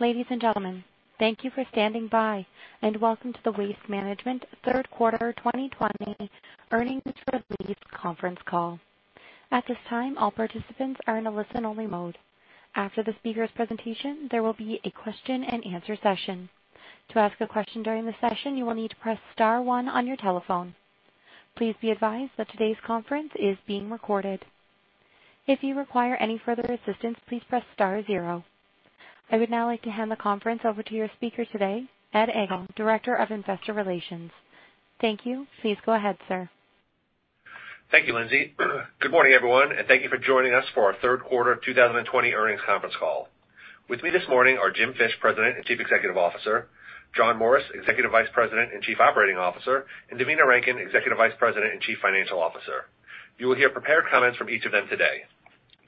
Ladies and gentlemen, thank you for standing by, welcome to the Waste Management third quarter 2020 earnings release conference call. At this time, all participants are in a listen-only mode. After the speaker's presentation, there will be a question and answer session. To ask a question during the session, you will need to press star one on your telephone. Please be advised that today's conference is being recorded. If you require any further assistance, please press star zero. I would now like to hand the conference over to your speaker today, Ed Egl, Director of Investor Relations. Thank you. Please go ahead, sir. Thank you, Lindsay. Good morning, everyone, and thank you for joining us for our third quarter 2020 earnings conference call. With me this morning are Jim Fish, President and Chief Executive Officer, John Morris, Executive Vice President and Chief Operating Officer, and Devina Rankin, Executive Vice President and Chief Financial Officer. You will hear prepared comments from each of them today.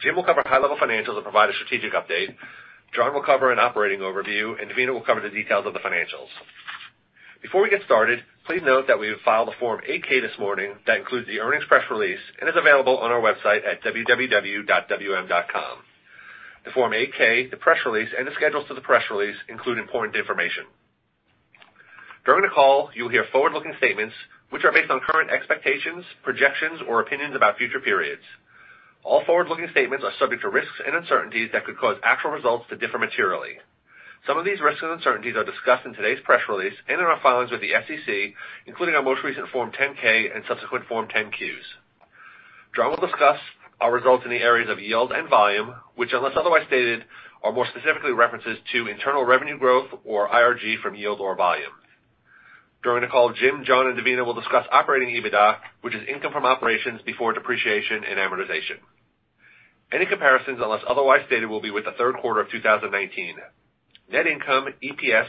Jim will cover high-level financials and provide a strategic update. John will cover an operating overview, and Devina will cover the details of the financials. Before we get started, please note that we have filed a Form 8-K this morning that includes the earnings press release and is available on our website at www.wm.com. The Form 8-K, the press release, and the schedules to the press release include important information. During the call, you'll hear forward-looking statements which are based on current expectations, projections, or opinions about future periods. All forward-looking statements are subject to risks and uncertainties that could cause actual results to differ materially. Some of these risks and uncertainties are discussed in today's press release and in our filings with the SEC, including our most recent Form 10-K and subsequent Form 10-Qs. John will discuss our results in the areas of yield and volume, which, unless otherwise stated, are more specifically references to internal revenue growth, or IRG, from yield or volume. During the call, Jim, John, and Devina will discuss operating EBITDA, which is income from operations before depreciation and amortization. Any comparisons, unless otherwise stated, will be with the third quarter of 2019. Net income, EPS,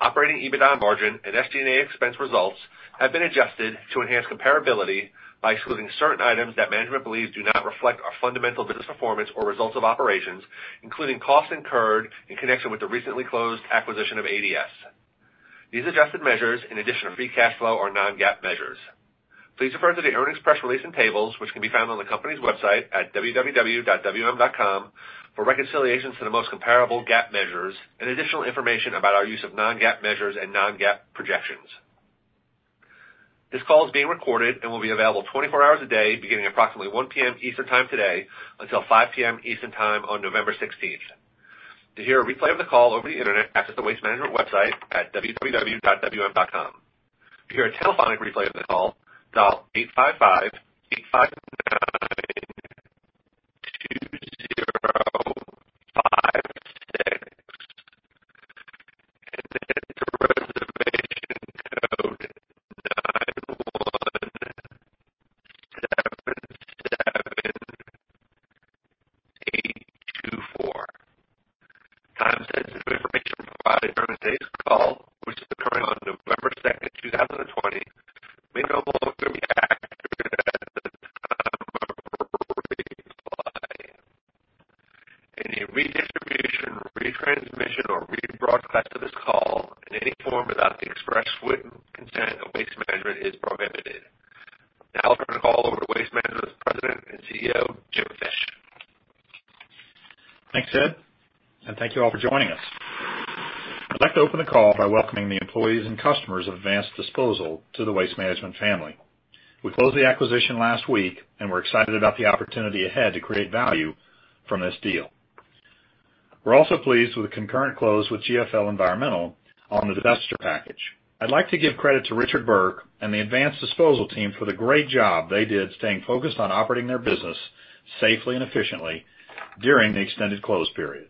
operating EBITDA margin, and SG&A expense results have been adjusted to enhance comparability by excluding certain items that management believes do not reflect our fundamental business performance or results of operations, including costs incurred in connection with the recently closed acquisition of ADS. These adjusted measures, in addition to free cash flow, are non-GAAP measures. Please refer to the earnings press release and tables, which can be found on the company's website at www.wm.com, for reconciliations to the most comparable GAAP measures and additional information about our use of non-GAAP measures and non-GAAP projections. This call is being recorded and will be available 24 hours a day beginning approximately 1:00 P.M. Eastern Time today until 5:00 P.M. Eastern Time on November 16th. joining us. I'd like to open the call by welcoming the employees and customers of Advanced Disposal to the Waste Management family. We closed the acquisition last week, and we're excited about the opportunity ahead to create value from this deal. We're also pleased with the concurrent close with GFL Environmental on the divestiture package. I'd like to give credit to Richard Burke and the Advanced Disposal team for the great job they did staying focused on operating their business safely and efficiently during the extended close period.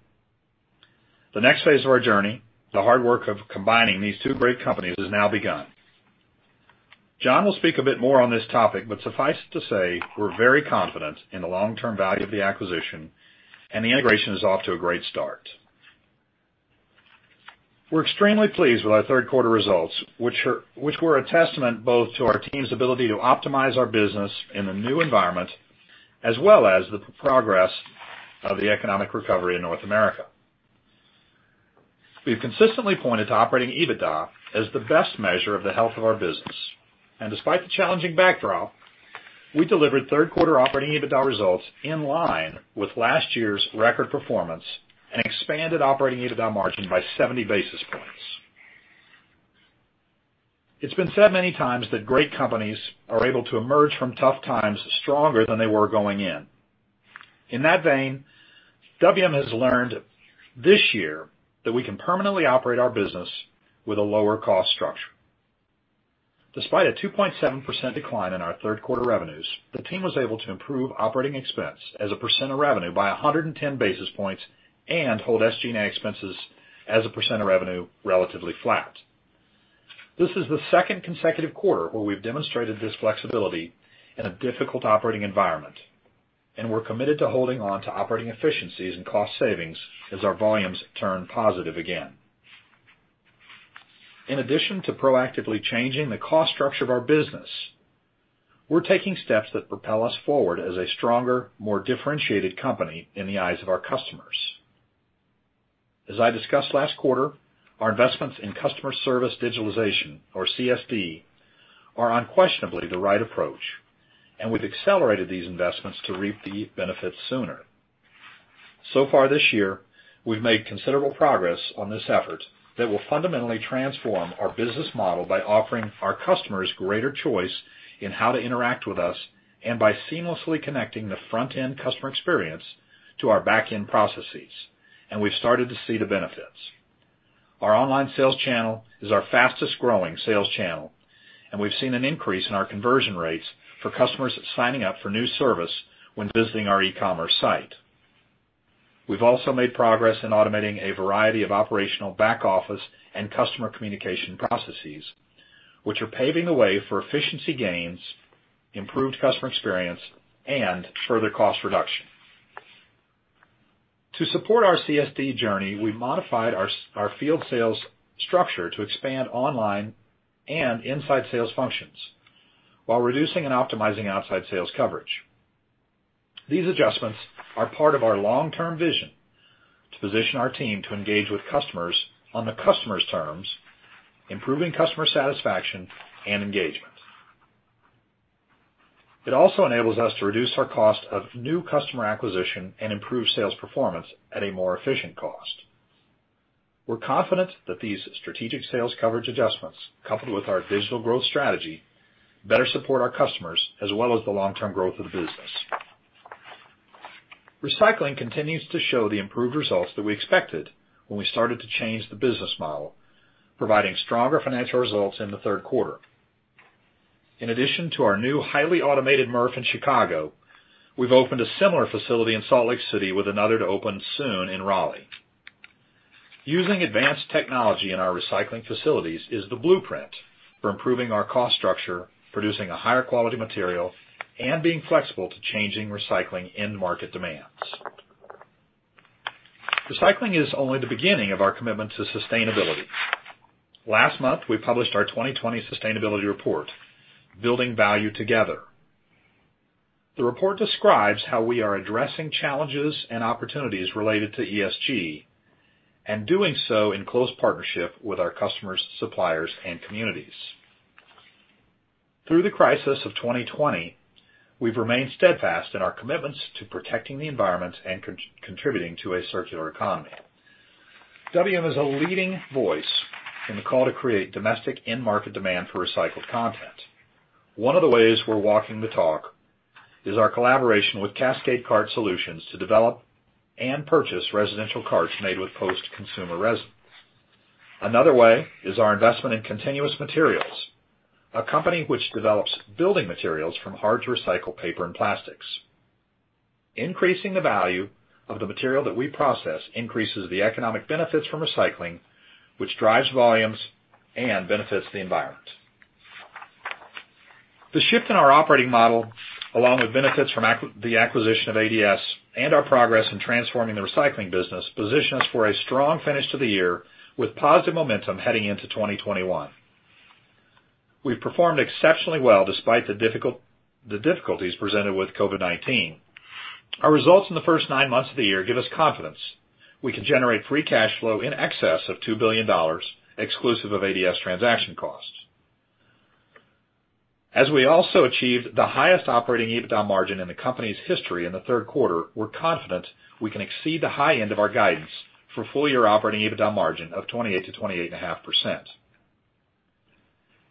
The next phase of our journey, the hard work of combining these two great companies, has now begun. John will speak a bit more on this topic, but suffice it to say, we're very confident in the long-term value of the acquisition, and the integration is off to a great start. We're extremely pleased with our third quarter results, which were a testament both to our team's ability to optimize our business in the new environment, as well as the progress of the economic recovery in North America. We've consistently pointed to operating EBITDA as the best measure of the health of our business. Despite the challenging backdrop, we delivered third quarter operating EBITDA results in line with last year's record performance and expanded operating EBITDA margin by 70 basis points. It's been said many times that great companies are able to emerge from tough times stronger than they were going in. In that vein, WM has learned this year that we can permanently operate our business with a lower cost structure. Despite a 2.7% decline in our third quarter revenues, the team was able to improve operating expense as a % of revenue by 110 basis points and hold SG&A expenses as a percentage of revenue relatively flat. This is the second consecutive quarter where we've demonstrated this flexibility in a difficult operating environment, and we're committed to holding on to operating efficiencies and cost savings as our volumes turn positive again. In addition to proactively changing the cost structure of our business, we're taking steps that propel us forward as a stronger, more differentiated company in the eyes of our customers. As I discussed last quarter, our investments in customer service digitalization, or CSD, are unquestionably the right approach, and we've accelerated these investments to reap the benefits sooner. So far this year, we've made considerable progress on this effort that will fundamentally transform our business model by offering our customers greater choice in how to interact with us, and by seamlessly connecting the front-end customer experience to our back-end processes. We've started to see the benefits. Our online sales channel is our fastest-growing sales channel, and we've seen an increase in our conversion rates for customers signing up for new service when visiting our e-commerce site. We've also made progress in automating a variety of operational back-office and customer communication processes, which are paving the way for efficiency gains, improved customer experience, and further cost reduction. To support our CSD journey, we modified our field sales structure to expand online and inside sales functions while reducing and optimizing outside sales coverage. These adjustments are part of our long-term vision to position our team to engage with customers on the customer's terms, improving customer satisfaction and engagement. It also enables us to reduce our cost of new customer acquisition and improve sales performance at a more efficient cost. We're confident that these strategic sales coverage adjustments, coupled with our digital growth strategy, better support our customers as well as the long-term growth of the business. Recycling continues to show the improved results that we expected when we started to change the business model, providing stronger financial results in the third quarter. In addition to our new highly automated MRF in Chicago, we've opened a similar facility in Salt Lake City with another to open soon in Raleigh. Using advanced technology in our recycling facilities is the blueprint for improving our cost structure, producing a higher quality material, and being flexible to changing recycling end market demands. Recycling is only the beginning of our commitment to sustainability. Last month, we published our 2020 sustainability report, Building Value Together. The report describes how we are addressing challenges and opportunities related to ESG and doing so in close partnership with our customers, suppliers, and communities. Through the crisis of 2020, we've remained steadfast in our commitments to protecting the environment and contributing to a circular economy. WM is a leading voice in the call to create domestic end market demand for recycled content. One of the ways we're walking the talk is our collaboration with Cascade Cart Solutions to develop and purchase residential carts made with post-consumer resin. Another way is our investment in Continuus Materials, a company which develops building materials from hard-to-recycle paper and plastics. Increasing the value of the material that we process increases the economic benefits from recycling, which drives volumes and benefits the environment. The shift in our operating model, along with benefits from the acquisition of ADS and our progress in transforming the recycling business, positions us for a strong finish to the year with positive momentum heading into 2021. We've performed exceptionally well despite the difficulties presented with COVID-19. Our results in the first nine months of the year give us confidence we can generate free cash flow in excess of $2 billion, exclusive of ADS transaction costs. As we also achieved the highest operating EBITDA margin in the company's history in the third quarter, we're confident we can exceed the high end of our guidance for full-year operating EBITDA margin of 28%-28.5%.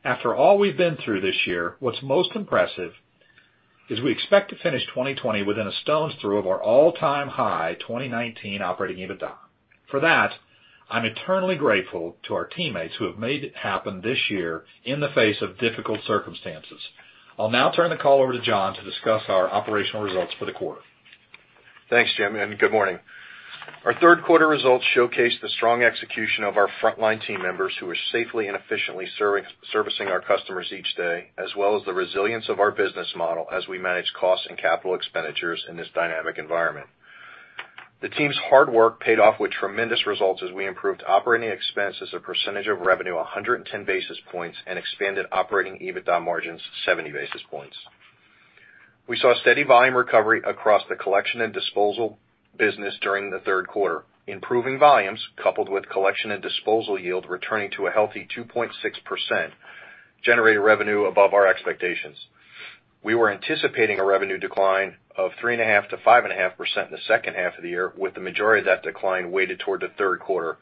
After all we've been through this year, what's most impressive is we expect to finish 2020 within a stone's throw of our all-time high 2019 operating EBITDA. For that, I'm eternally grateful to our teammates who have made it happen this year in the face of difficult circumstances. I'll now turn the call over to John to discuss our operational results for the quarter. Thanks, Jim. Good morning. Our third quarter results showcase the strong execution of our frontline team members who are safely and efficiently servicing our customers each day, as well as the resilience of our business model as we manage costs and capital expenditures in this dynamic environment. The team's hard work paid off with tremendous results as we improved operating expense as a percentage of revenue 110 basis points and expanded operating EBITDA margins 70 basis points. We saw steady volume recovery across the collection and disposal business during the third quarter. Improving volumes, coupled with collection and disposal yield returning to a healthy 2.6%, generated revenue above our expectations. We were anticipating a revenue decline of 3.5%-5.5% in the second half of the year, with the majority of that decline weighted toward the third quarter.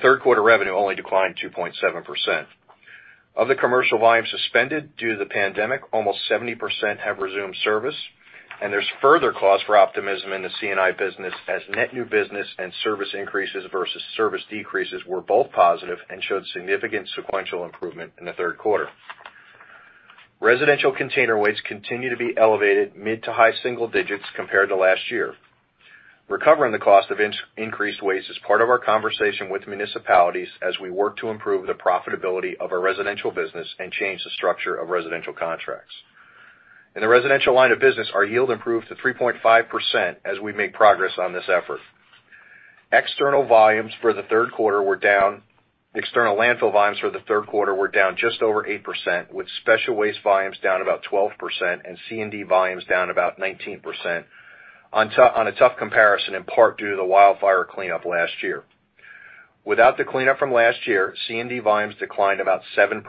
Third quarter revenue only declined 2.7%. Of the commercial volumes suspended due to the pandemic, almost 70% have resumed service, and there's further cause for optimism in the C&I business as net new business and service increases versus service decreases were both positive and showed significant sequential improvement in the third quarter. Residential container waste continue to be elevated mid to high single digits compared to last year. Recovering the cost of increased waste is part of our conversation with municipalities as we work to improve the profitability of our residential business and change the structure of residential contracts. In the residential line of business, our yield improved to 3.5% as we make progress on this effort. External volumes for the third quarter were down. External landfill volumes for the third quarter were down just over 8%, with special waste volumes down about 12% and C&D volumes down about 19% on a tough comparison in part due to the wildfire cleanup last year. Without the cleanup from last year, C&D volumes declined about 7%.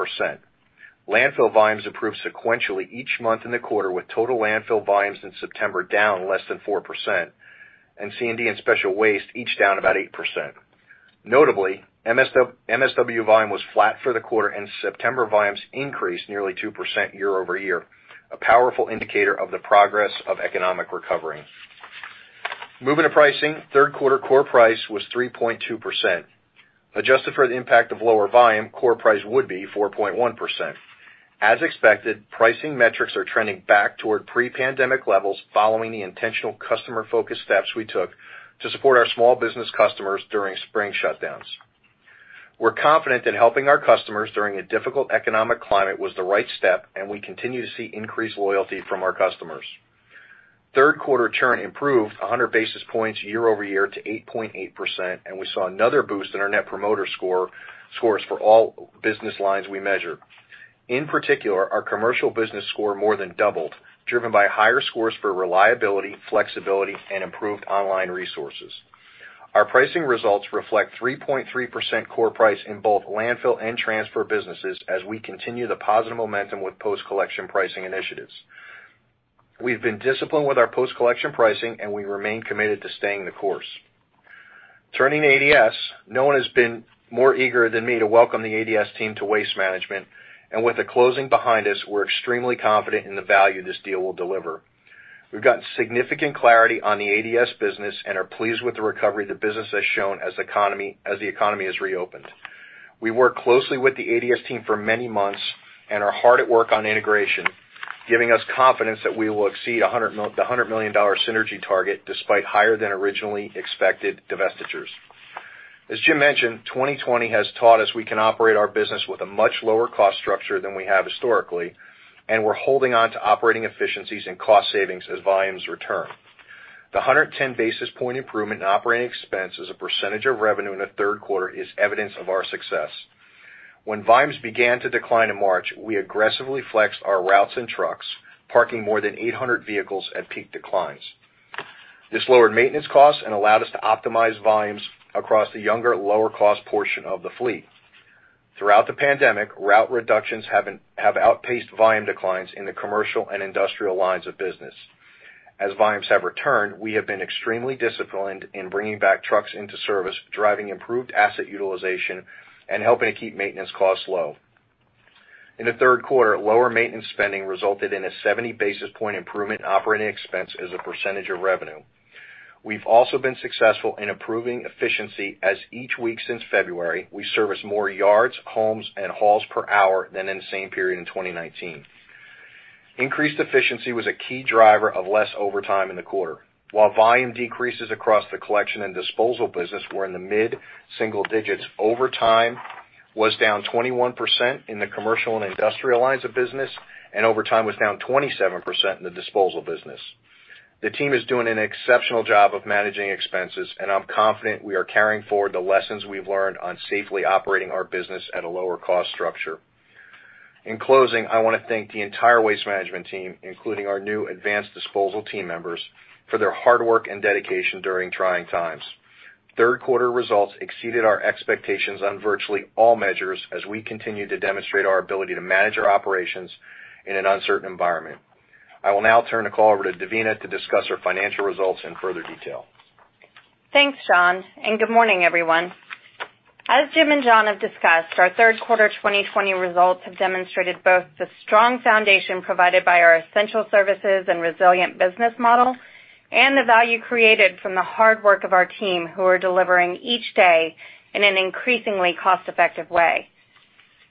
Landfill volumes improved sequentially each month in the quarter, with total landfill volumes in September down less than 4%, and C&D and special waste each down about 8%. Notably, MSW volume was flat for the quarter, and September volumes increased nearly 2% year-over-year, a powerful indicator of the progress of economic recovery. Moving to pricing, third quarter core price was 3.2%. Adjusted for the impact of lower volume, core price would be 4.1%. As expected, pricing metrics are trending back toward pre-pandemic levels following the intentional customer-focused steps we took to support our small business customers during spring shutdowns. We're confident that helping our customers during a difficult economic climate was the right step, and we continue to see increased loyalty from our customers. Third quarter churn improved 100 basis points year-over-year to 8.8%, and we saw another boost in our Net Promoter scores for all business lines we measure. In particular, our commercial business score more than doubled, driven by higher scores for reliability, flexibility, and improved online resources. Our pricing results reflect 3.3% core price in both landfill and transfer businesses as we continue the positive momentum with post-collection pricing initiatives. We've been disciplined with our post-collection pricing, and we remain committed to staying the course. Turning to ADS, no one has been more eager than me to welcome the ADS team to Waste Management. With the closing behind us, we're extremely confident in the value this deal will deliver. We've gotten significant clarity on the ADS business and are pleased with the recovery the business has shown as the economy has reopened. We worked closely with the ADS team for many months and are hard at work on integration, giving us confidence that we will exceed the $100 million synergy target despite higher than originally expected divestitures. As Jim mentioned, 2020 has taught us we can operate our business with a much lower cost structure than we have historically, and we're holding on to operating efficiencies and cost savings as volumes return. The 110 basis point improvement in operating expense as a percentage of revenue in the third quarter is evidence of our success. When volumes began to decline in March, we aggressively flexed our routes and trucks, parking more than 800 vehicles at peak declines. This lowered maintenance costs and allowed us to optimize volumes across the younger, lower-cost portion of the fleet. Throughout the pandemic, route reductions have outpaced volume declines in the commercial and industrial lines of business. As volumes have returned, we have been extremely disciplined in bringing back trucks into service, driving improved asset utilization, and helping to keep maintenance costs low. In the third quarter, lower maintenance spending resulted in a 70 basis point improvement in operating expense as a percentage of revenue. We've also been successful in improving efficiency, as each week since February, we service more yards, homes, and hauls per hour than in the same period in 2019. Increased efficiency was a key driver of less overtime in the quarter. While volume decreases across the collection and disposal business were in the mid-single digits, overtime was down 21% in the commercial and industrial lines of business, and overtime was down 27% in the disposal business. The team is doing an exceptional job of managing expenses, and I'm confident we are carrying forward the lessons we've learned on safely operating our business at a lower cost structure. In closing, I want to thank the entire Waste Management team, including our new Advanced Disposal team members, for their hard work and dedication during trying times. Third quarter results exceeded our expectations on virtually all measures as we continue to demonstrate our ability to manage our operations in an uncertain environment. I will now turn the call over to Devina to discuss our financial results in further detail. Thanks, John. Good morning, everyone. As Jim and John have discussed, our third quarter 2020 results have demonstrated both the strong foundation provided by our essential services and resilient business model and the value created from the hard work of our team who are delivering each day in an increasingly cost-effective way.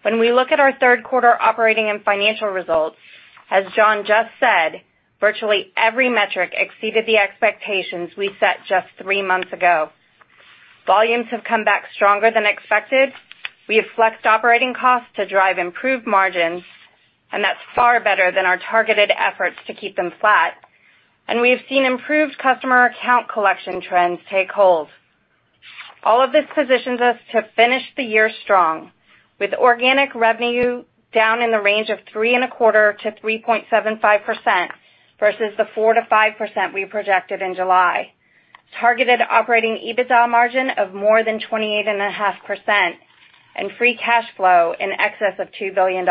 When we look at our third quarter operating and financial results, as John just said, virtually every metric exceeded the expectations we set just three months ago. Volumes have come back stronger than expected. We have flexed operating costs to drive improved margins, that's far better than our targeted efforts to keep them flat. We have seen improved customer account collection trends take hold. All of this positions us to finish the year strong with organic revenue down in the range of 3.25%-3.75% versus the 4%-5% we projected in July. Targeted operating EBITDA margin of more than 28.5% and free cash flow in excess of $2 billion.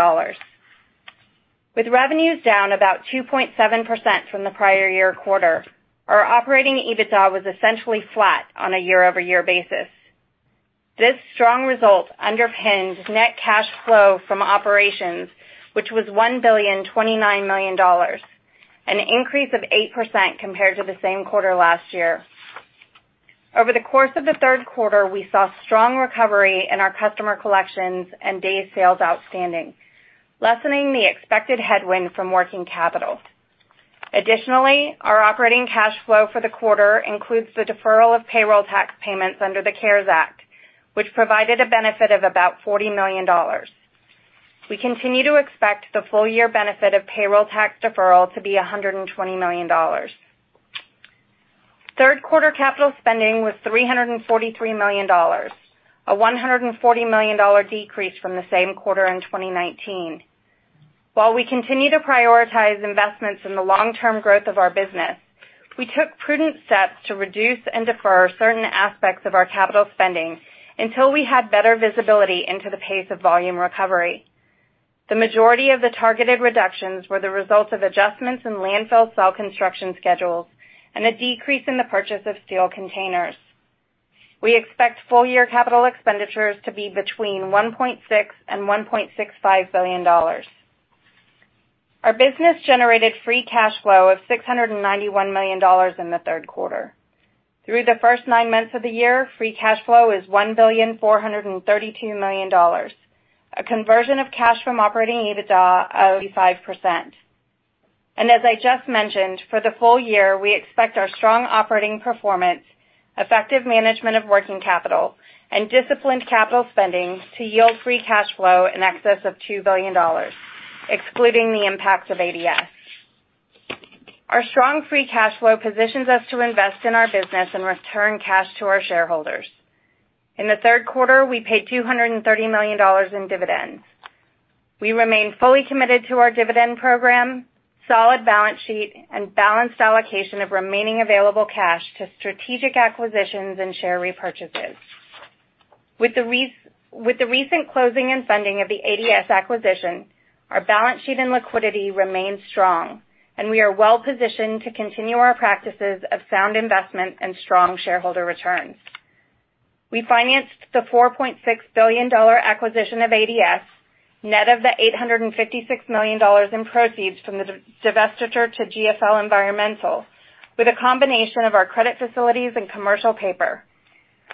With revenues down about 2.7% from the prior year quarter, our operating EBITDA was essentially flat on a year-over-year basis. This strong result underpins net cash flow from operations, which was $1.029 billion, an increase of 8% compared to the same quarter last year. Over the course of the third quarter, we saw strong recovery in our customer collections and day sales outstanding, lessening the expected headwind from working capital. Additionally, our operating cash flow for the quarter includes the deferral of payroll tax payments under the CARES Act, which provided a benefit of about $40 million. We continue to expect the full year benefit of payroll tax deferral to be $120 million. Third quarter capital spending was $343 million, a $140 million decrease from the same quarter in 2019. While we continue to prioritize investments in the long-term growth of our business, we took prudent steps to reduce and defer certain aspects of our capital spending until we had better visibility into the pace of volume recovery. The majority of the targeted reductions were the results of adjustments in landfill cell construction schedules and a decrease in the purchase of steel containers. We expect full-year capital expenditures to be between $1.6 and $1.65 billion. Our business generated free cash flow of $691 million in the third quarter. Through the first nine months of the year, free cash flow is $1,432 million a conversion of cash from operating EBITDA of 85%. As I just mentioned, for the full year, we expect our strong operating performance, effective management of working capital, and disciplined capital spending to yield free cash flow in excess of $2 billion, excluding the impact of ADS. Our strong free cash flow positions us to invest in our business and return cash to our shareholders. In the third quarter, we paid $230 million in dividends. We remain fully committed to our dividend program, solid balance sheet, and balanced allocation of remaining available cash to strategic acquisitions and share repurchases. With the recent closing and funding of the ADS acquisition, our balance sheet and liquidity remain strong, and we are well-positioned to continue our practices of sound investment and strong shareholder returns. We financed the $4.6 billion acquisition of ADS, net of the $856 million in proceeds from the divestiture to GFL Environmental, with a combination of our credit facilities and commercial paper.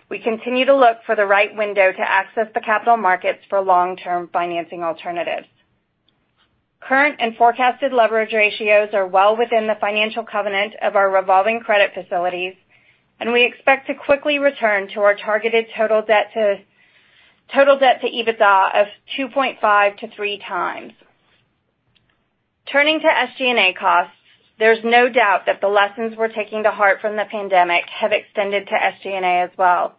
We continue to look for the right window to access the capital markets for long-term financing alternatives. Current and forecasted leverage ratios are well within the financial covenant of our revolving credit facilities, and we expect to quickly return to our targeted total debt to EBITDA of 2.5 to three times. Turning to SG&A costs, there's no doubt that the lessons we're taking to heart from the pandemic have extended to SG&A as well.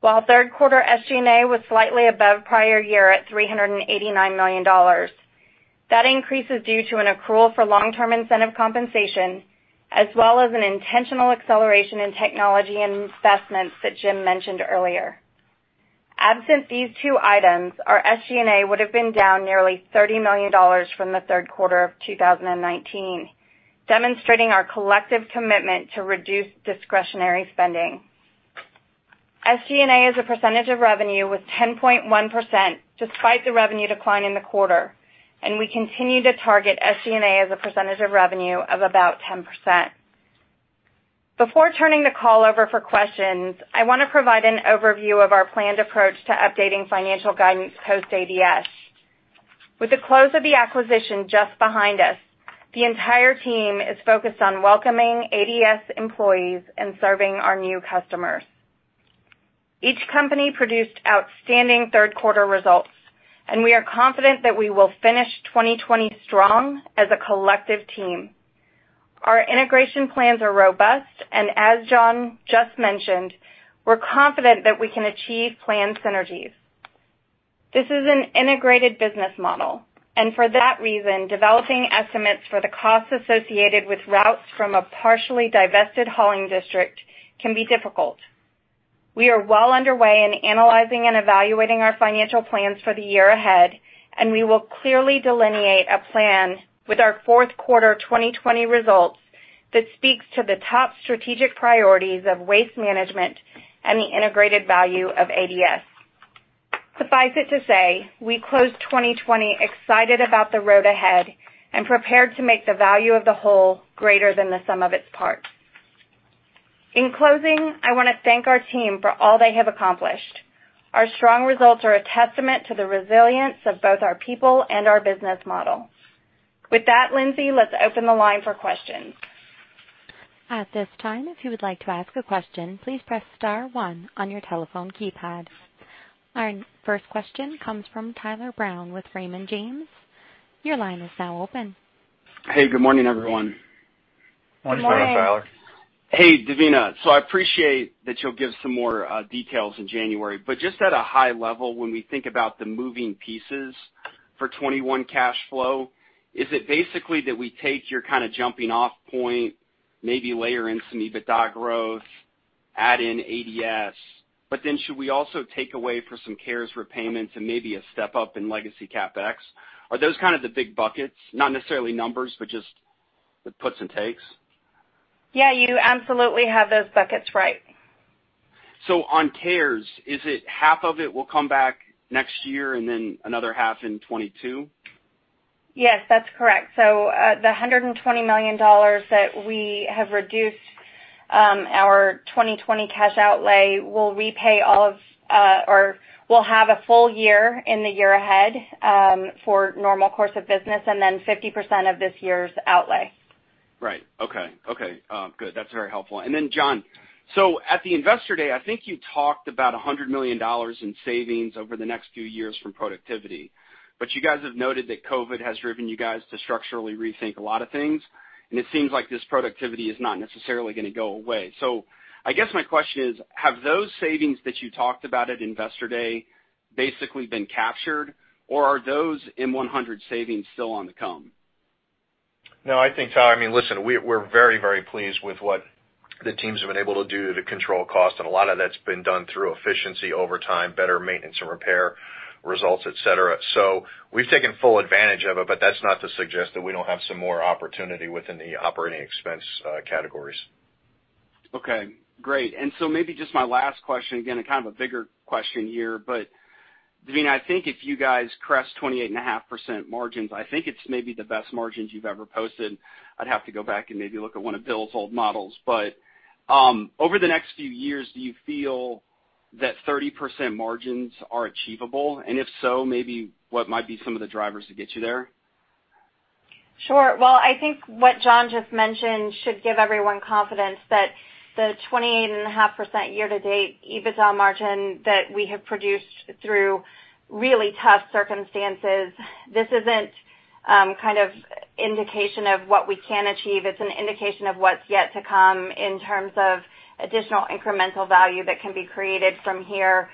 While third quarter SG&A was slightly above prior year at $389 million, that increase is due to an accrual for long-term incentive compensation as well as an intentional acceleration in technology investments that Jim mentioned earlier. Absent these two items, our SG&A would have been down nearly $30 million from the third quarter of 2019, demonstrating our collective commitment to reduce discretionary spending. SG&A as a percentage of revenue was 10.1% despite the revenue decline in the quarter, and we continue to target SG&A as a percentage of revenue of about 10%. Before turning the call over for questions, I want to provide an overview of our planned approach to updating financial guidance post-ADS. With the close of the acquisition just behind us, the entire team is focused on welcoming ADS employees and serving our new customers. Each company produced outstanding third-quarter results, and we are confident that we will finish 2020 strong as a collective team. Our integration plans are robust, and as John just mentioned, we're confident that we can achieve planned synergies. This is an integrated business model, and for that reason, developing estimates for the costs associated with routes from a partially divested hauling district can be difficult. We are well underway in analyzing and evaluating our financial plans for the year ahead, and we will clearly delineate a plan with our fourth quarter 2020 results that speaks to the top strategic priorities of Waste Management and the integrated value of ADS. Suffice it to say, we close 2020 excited about the road ahead and prepared to make the value of the whole greater than the sum of its parts. In closing, I want to thank our team for all they have accomplished. Our strong results are a testament to the resilience of both our people and our business model. With that, Lindsay, let's open the line for questions. At this time, if you would like to ask a question, please press star one on your telephone keypad. Our first question comes from Tyler Brown with Raymond James. Your line is now open. Hey, good morning, everyone. Good morning. Morning, Tyler. Devina. I appreciate that you'll give some more details in January. Just at a high level, when we think about the moving pieces for 2021 cash flow, is it basically that we take your kind of jumping-off point, maybe layer in some EBITDA growth, add in ADS, but then should we also take away for some CARES repayments and maybe a step up in legacy CapEx? Are those kind of the big buckets? Not necessarily numbers, but just the puts and takes? Yeah, you absolutely have those buckets right. On CARES, is it half of it will come back next year and then another half in 2022? Yes, that's correct. The $120 million that we have reduced our 2020 cash outlay will repay all of, or will have a full year in the year ahead for normal course of business and then 50% of this year's outlay. Right. Okay. Good. That's very helpful. Then John, at the Investor Day, I think you talked about $100 million in savings over the next few years from productivity. You guys have noted that COVID has driven you guys to structurally rethink a lot of things, and it seems like this productivity is not necessarily going to go away. I guess my question is, have those savings that you talked about at Investor Day basically been captured, or are those M100 savings still on the come? I think, Tyler, listen, we're very, very pleased with what the teams have been able to do to control cost, and a lot of that's been done through efficiency over time, better maintenance and repair results, et cetera. We've taken full advantage of it, but that's not to suggest that we don't have some more opportunity within the operating expense categories. Okay, great. Maybe just my last question, again, a kind of a bigger question here, Devina, I think if you guys crest 28.5% margins, I think it's maybe the best margins you've ever posted. I'd have to go back and maybe look at one of Bill's old models. Over the next few years, do you feel that 30% margins are achievable? If so, maybe what might be some of the drivers to get you there? Sure. Well, I think what John just mentioned should give everyone confidence that the 28.5% year-to-date EBITDA margin that we have produced through really tough circumstances, this isn't kind of indication of what we can achieve. It's an indication of what's yet to come in terms of additional incremental value that can be created from here.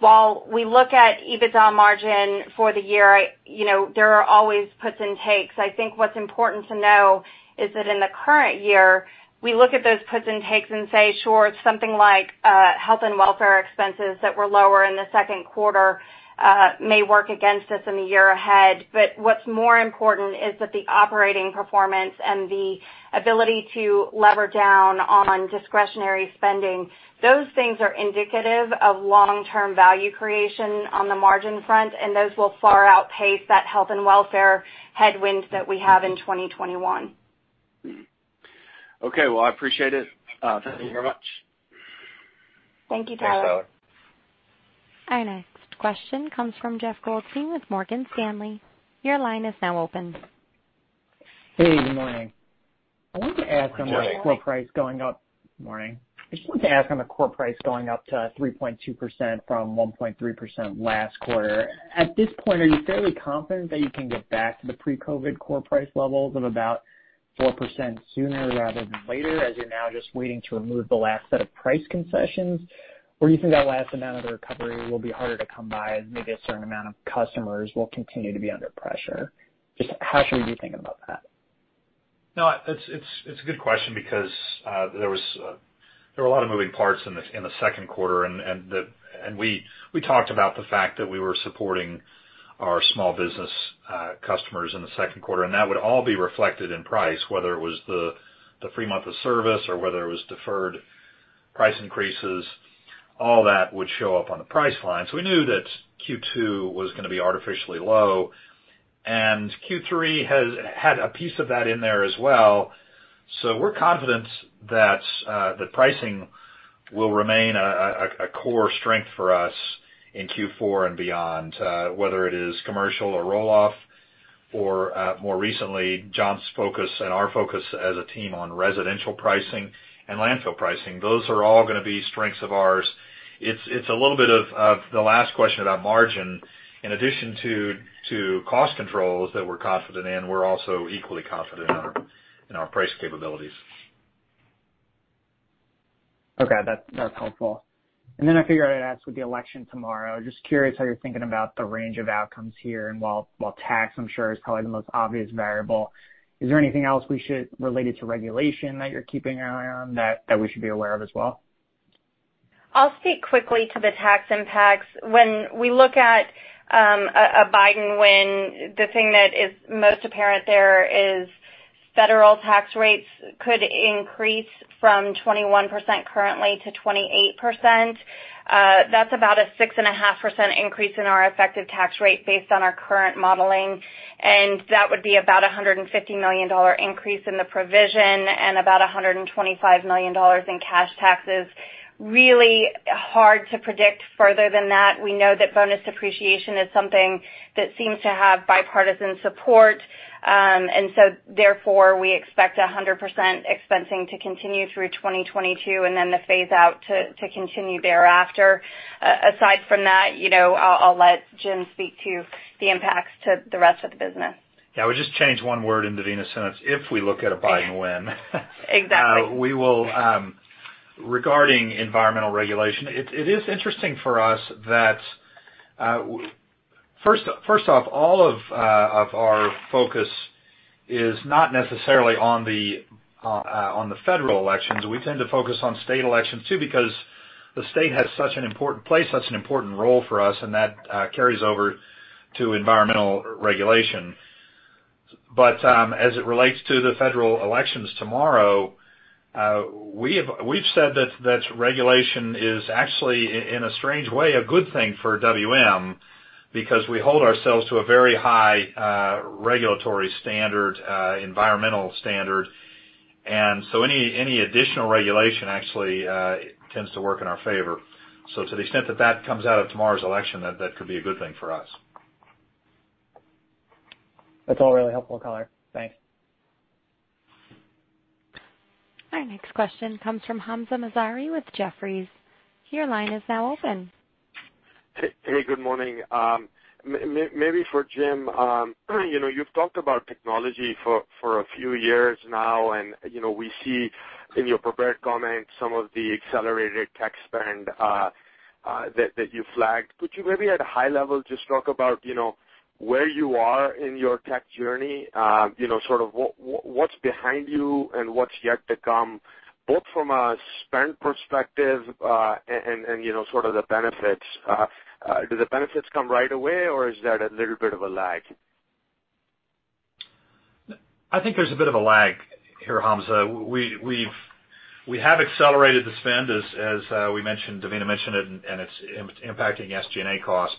While we look at EBITDA margin for the year, there are always puts and takes. I think what's important to know is that in the current year, we look at those puts and takes and say, sure, it's something like health and welfare expenses that were lower in the second quarter may work against us in the year ahead. What's more important is that the operating performance and the ability to lever down on discretionary spending, those things are indicative of long-term value creation on the margin front, and those will far outpace that health and welfare headwind that we have in 2021. Okay. Well, I appreciate it. Thank you very much. Thank you, Tyler. Thanks, Tyler. Our next question comes from Jeff Goldstein with Morgan Stanley. Your line is now open. Hey, good morning. Good morning. I just wanted to ask on the core price going up to 3.2% from 1.3% last quarter. At this point, are you fairly confident that you can get back to the pre-COVID core price levels of about 4% sooner rather than later, as you're now just waiting to remove the last set of price concessions? Do you think that last amount of the recovery will be harder to come by as maybe a certain amount of customers will continue to be under pressure? Just how should we be thinking about that? No, it's a good question because there were a lot of moving parts in the second quarter, and we talked about the fact that we were supporting our small business customers in the second quarter, and that would all be reflected in price, whether it was the free month of service or whether it was deferred price increases. All that would show up on the price line. We knew that Q2 was going to be artificially low. Q3 had a piece of that in there as well. We're confident that the pricing will remain a core strength for us in Q4 and beyond, whether it is commercial or roll-off or, more recently, John's focus and our focus as a team on residential pricing and landfill pricing. Those are all going to be strengths of ours. It's a little bit of the last question about margin. In addition to cost controls that we're confident in, we're also equally confident in our price capabilities. Okay. That's helpful. I figured I'd ask, with the election tomorrow, just curious how you're thinking about the range of outcomes here. While tax, I'm sure, is probably the most obvious variable, is there anything else related to regulation that you're keeping an eye on that we should be aware of as well? I'll speak quickly to the tax impacts. When we look at a Biden win, the thing that is most apparent there is federal tax rates could increase from 21% currently to 28%. That's about a 6.5% increase in our effective tax rate based on our current modeling, and that would be about $150 million increase in the provision and about $125 million in cash taxes. Really hard to predict further than that. We know that bonus depreciation is something that seems to have bipartisan support. Therefore, we expect 100% expensing to continue through 2022 and then the phase out to continue thereafter. Aside from that, I'll let Jim speak to the impacts to the rest of the business. Yeah, I would just change one word in Devina's sentence. If we look at a Biden win. Exactly. Regarding environmental regulation, it is interesting for us that, first off, all of our focus is not necessarily on the federal elections. We tend to focus on state elections too, because the state has such an important place, such an important role for us, and that carries over to environmental regulation. As it relates to the federal elections tomorrow, we've said that regulation is actually, in a strange way, a good thing for WM because we hold ourselves to a very high regulatory standard, environmental standard. Any additional regulation actually tends to work in our favor. To the extent that that comes out of tomorrow's election, that could be a good thing for us. That's all really helpful, color. Thanks. Our next question comes from Hamzah Mazari with Jefferies. Your line is now open. Hey, good morning. Maybe for Jim, you've talked about technology for a few years now, and we see in your prepared comments some of the accelerated tech spend that you flagged. Could you maybe at a high level just talk about where you are in your tech journey? Sort of what's behind you and what's yet to come, both from a spend perspective and sort of the benefits. Do the benefits come right away or is that a little bit of a lag? I think there's a bit of a lag here, Hamzah. We have accelerated the spend, as Devina mentioned it. It's impacting SG&A costs.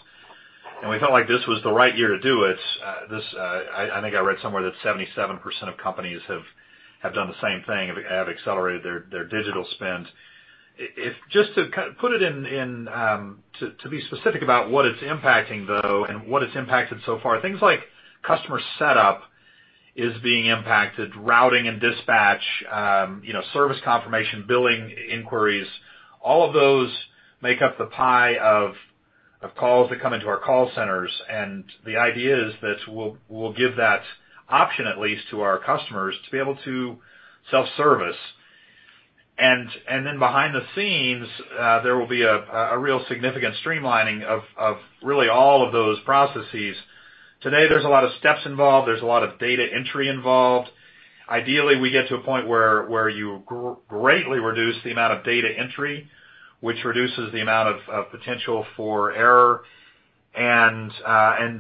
We felt like this was the right year to do it. I think I read somewhere that 77% of companies have done the same thing, have accelerated their digital spend. Just to be specific about what it's impacting, though, and what it's impacted so far, things like customer setup is being impacted, routing and dispatch, service confirmation, billing inquiries, all of those make up the pie of calls that come into our call centers. The idea is that we'll give that option, at least, to our customers to be able to self-service. Then behind the scenes, there will be a real significant streamlining of really all of those processes. Today, there's a lot of steps involved. There's a lot of data entry involved. Ideally, we get to a point where you greatly reduce the amount of data entry, which reduces the amount of potential for error, and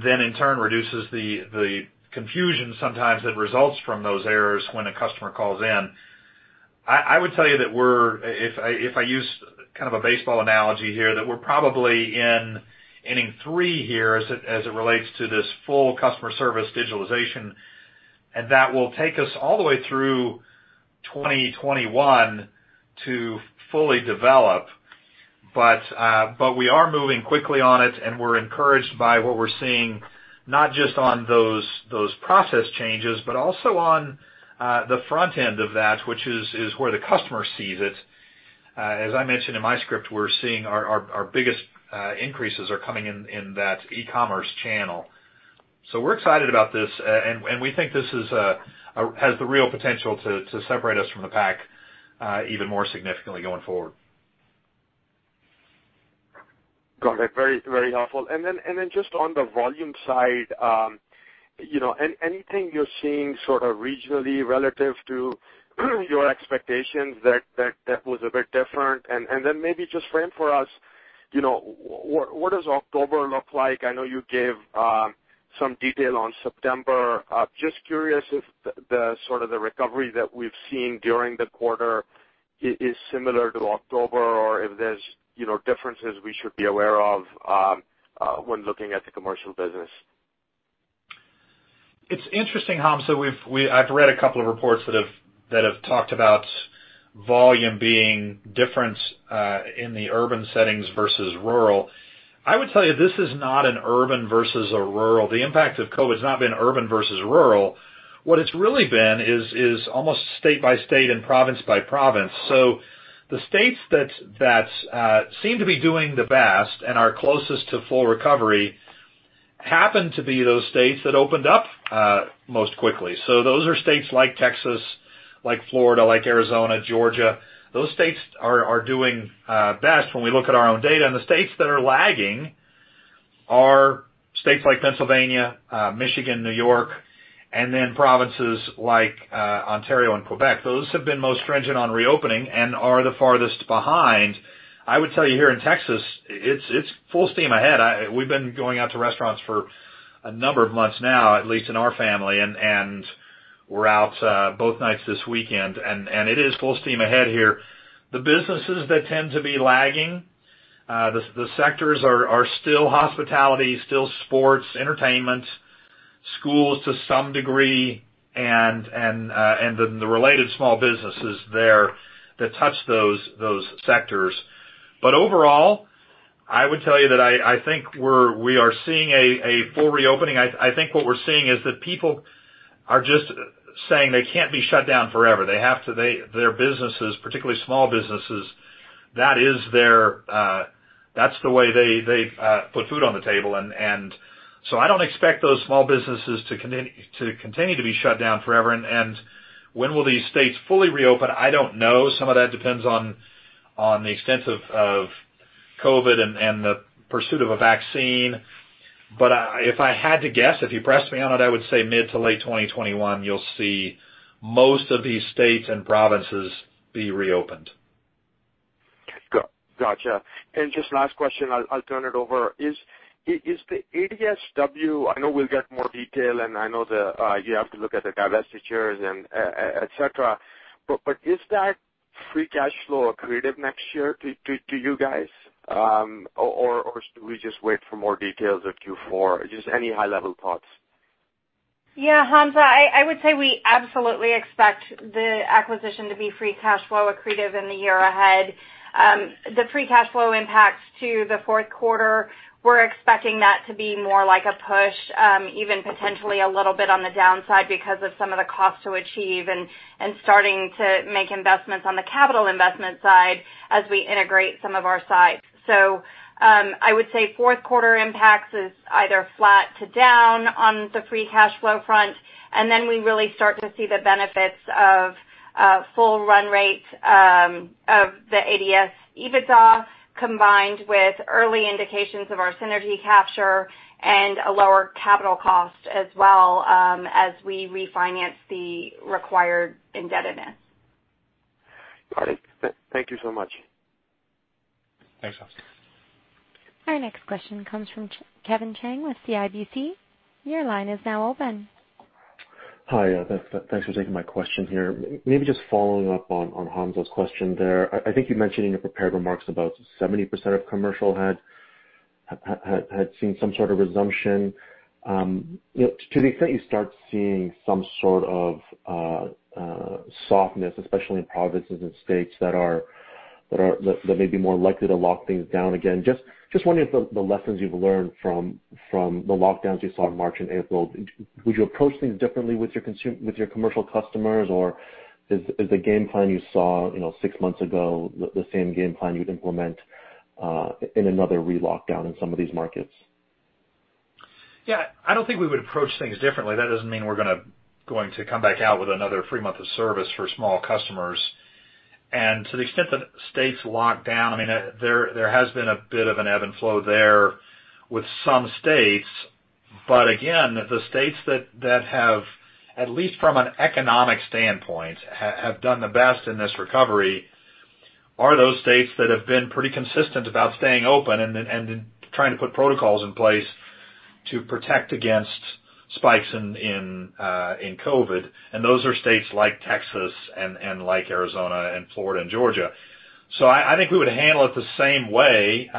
then in turn reduces the confusion sometimes that results from those errors when a customer calls in. I would tell you that we're, if I use kind of a baseball analogy here, that we're probably in inning three here as it relates to this full customer service digitalization, and that will take us all the way through 2021 to fully develop. We are moving quickly on it, and we're encouraged by what we're seeing, not just on those process changes, but also on the front end of that, which is where the customer sees it. As I mentioned in my script, we're seeing our biggest increases are coming in that e-commerce channel. We're excited about this, and we think this has the real potential to separate us from the pack even more significantly going forward. Got it. Very helpful. Then just on the volume side, anything you're seeing sort of regionally relative to your expectations that was a bit different? Then maybe just frame for us, what does October look like? I know you gave some detail on September. Just curious if the sort of the recovery that we've seen during the quarter is similar to October or if there's differences we should be aware of when looking at the commercial business. It's interesting, Hamzah. I've read a couple of reports that have talked about volume being different in the urban settings versus rural. I would tell you, this is not an urban versus a rural. The impact of COVID has not been urban versus rural. What it's really been is almost state by state and province by province. The states that seem to be doing the best and are closest to full recovery happen to be those states that opened up most quickly. Those are states like Texas, like Florida, like Arizona, Georgia. Those states are doing best when we look at our own data. The states that are lagging are states like Pennsylvania, Michigan, New York, and then provinces like Ontario and Quebec. Those have been most stringent on reopening and are the farthest behind. I would tell you here in Texas, it's full steam ahead. We've been going out to restaurants for a number of months now, at least in our family, and we're out both nights this weekend. It is full steam ahead here. The businesses that tend to be lagging, the sectors are still hospitality, still sports, entertainment, schools to some degree, and the related small businesses there that touch those sectors. Overall, I would tell you that I think we are seeing a full reopening. I think what we're seeing is that people are just saying they can't be shut down forever. Their businesses, particularly small businesses, that's the way they put food on the table. I don't expect those small businesses to continue to be shut down forever. When will these states fully reopen? I don't know. Some of that depends on the extent of COVID and the pursuit of a vaccine. If I had to guess, if you pressed me on it, I would say mid to late 2021, you'll see most of these states and provinces be reopened. Gotcha. Just last question, I'll turn it over. Is the ADSW, I know we'll get more detail, and I know that you have to look at the divestitures and et cetera, but is that free cash flow accretive next year to you guys? Do we just wait for more details at Q4? Just any high-level thoughts. Yeah, Hamzah, I would say we absolutely expect the acquisition to be free cash flow accretive in the year ahead. The free cash flow impacts to the fourth quarter, we're expecting that to be more like a push, even potentially a little bit on the downside because of some of the costs to achieve and starting to make investments on the capital investment side as we integrate some of our sites. I would say fourth quarter impacts is either flat to down on the free cash flow front, and then we really start to see the benefits of full run rate of the ADS EBITDA, combined with early indications of our synergy capture and a lower capital cost as well as we refinance the required indebtedness. Got it. Thank you so much. Thanks, Hamzah. Our next question comes from Kevin Chiang with CIBC. Your line is now open. Hi. Thanks for taking my question here. Maybe just following up on Hamzah's question there. I think you mentioning in prepared remarks about 70% of commercial had seen some sort of resumption. To the extent you start seeing some sort of softness, especially in provinces and states that may be more likely to lock things down again. Just wondering if the lessons you've learned from the lockdowns you saw in March and April, would you approach things differently with your commercial customers, or is the game plan you saw six months ago, the same game plan you'd implement in another re-lockdown in some of these markets? Yeah. I don't think we would approach things differently. That doesn't mean we're going to come back out with another free month of service for small customers. To the extent that states lock down, there has been a bit of an ebb and flow there with some states. Again, the states that have, at least from an economic standpoint, have done the best in this recovery are those states that have been pretty consistent about staying open and trying to put protocols in place to protect against spikes in COVID. Those are states like Texas and like Arizona and Florida and Georgia. I think we would handle it the same way.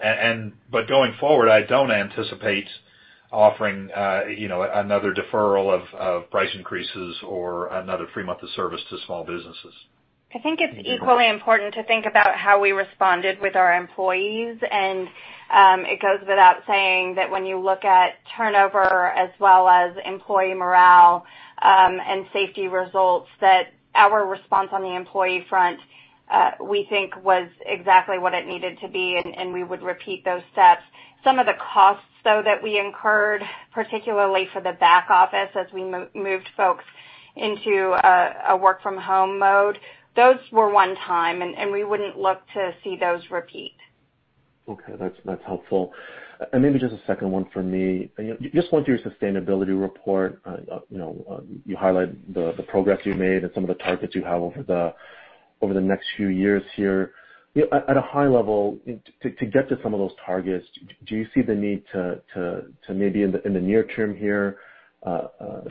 Going forward, I don't anticipate offering another deferral of price increases or another free month of service to small businesses. I think it's equally important to think about how we responded with our employees. It goes without saying that when you look at turnover as well as employee morale and safety results, that our response on the employee front, we think was exactly what it needed to be, and we would repeat those steps. Some of the costs, though, that we incurred, particularly for the back office as we moved folks into a work-from-home mode, those were one time, and we wouldn't look to see those repeat. Okay. That's helpful. Maybe just a second one from me. Just going through your sustainability report, you highlight the progress you've made and some of the targets you have over the next few years here. At a high level, to get to some of those targets, do you see the need to maybe in the near term here,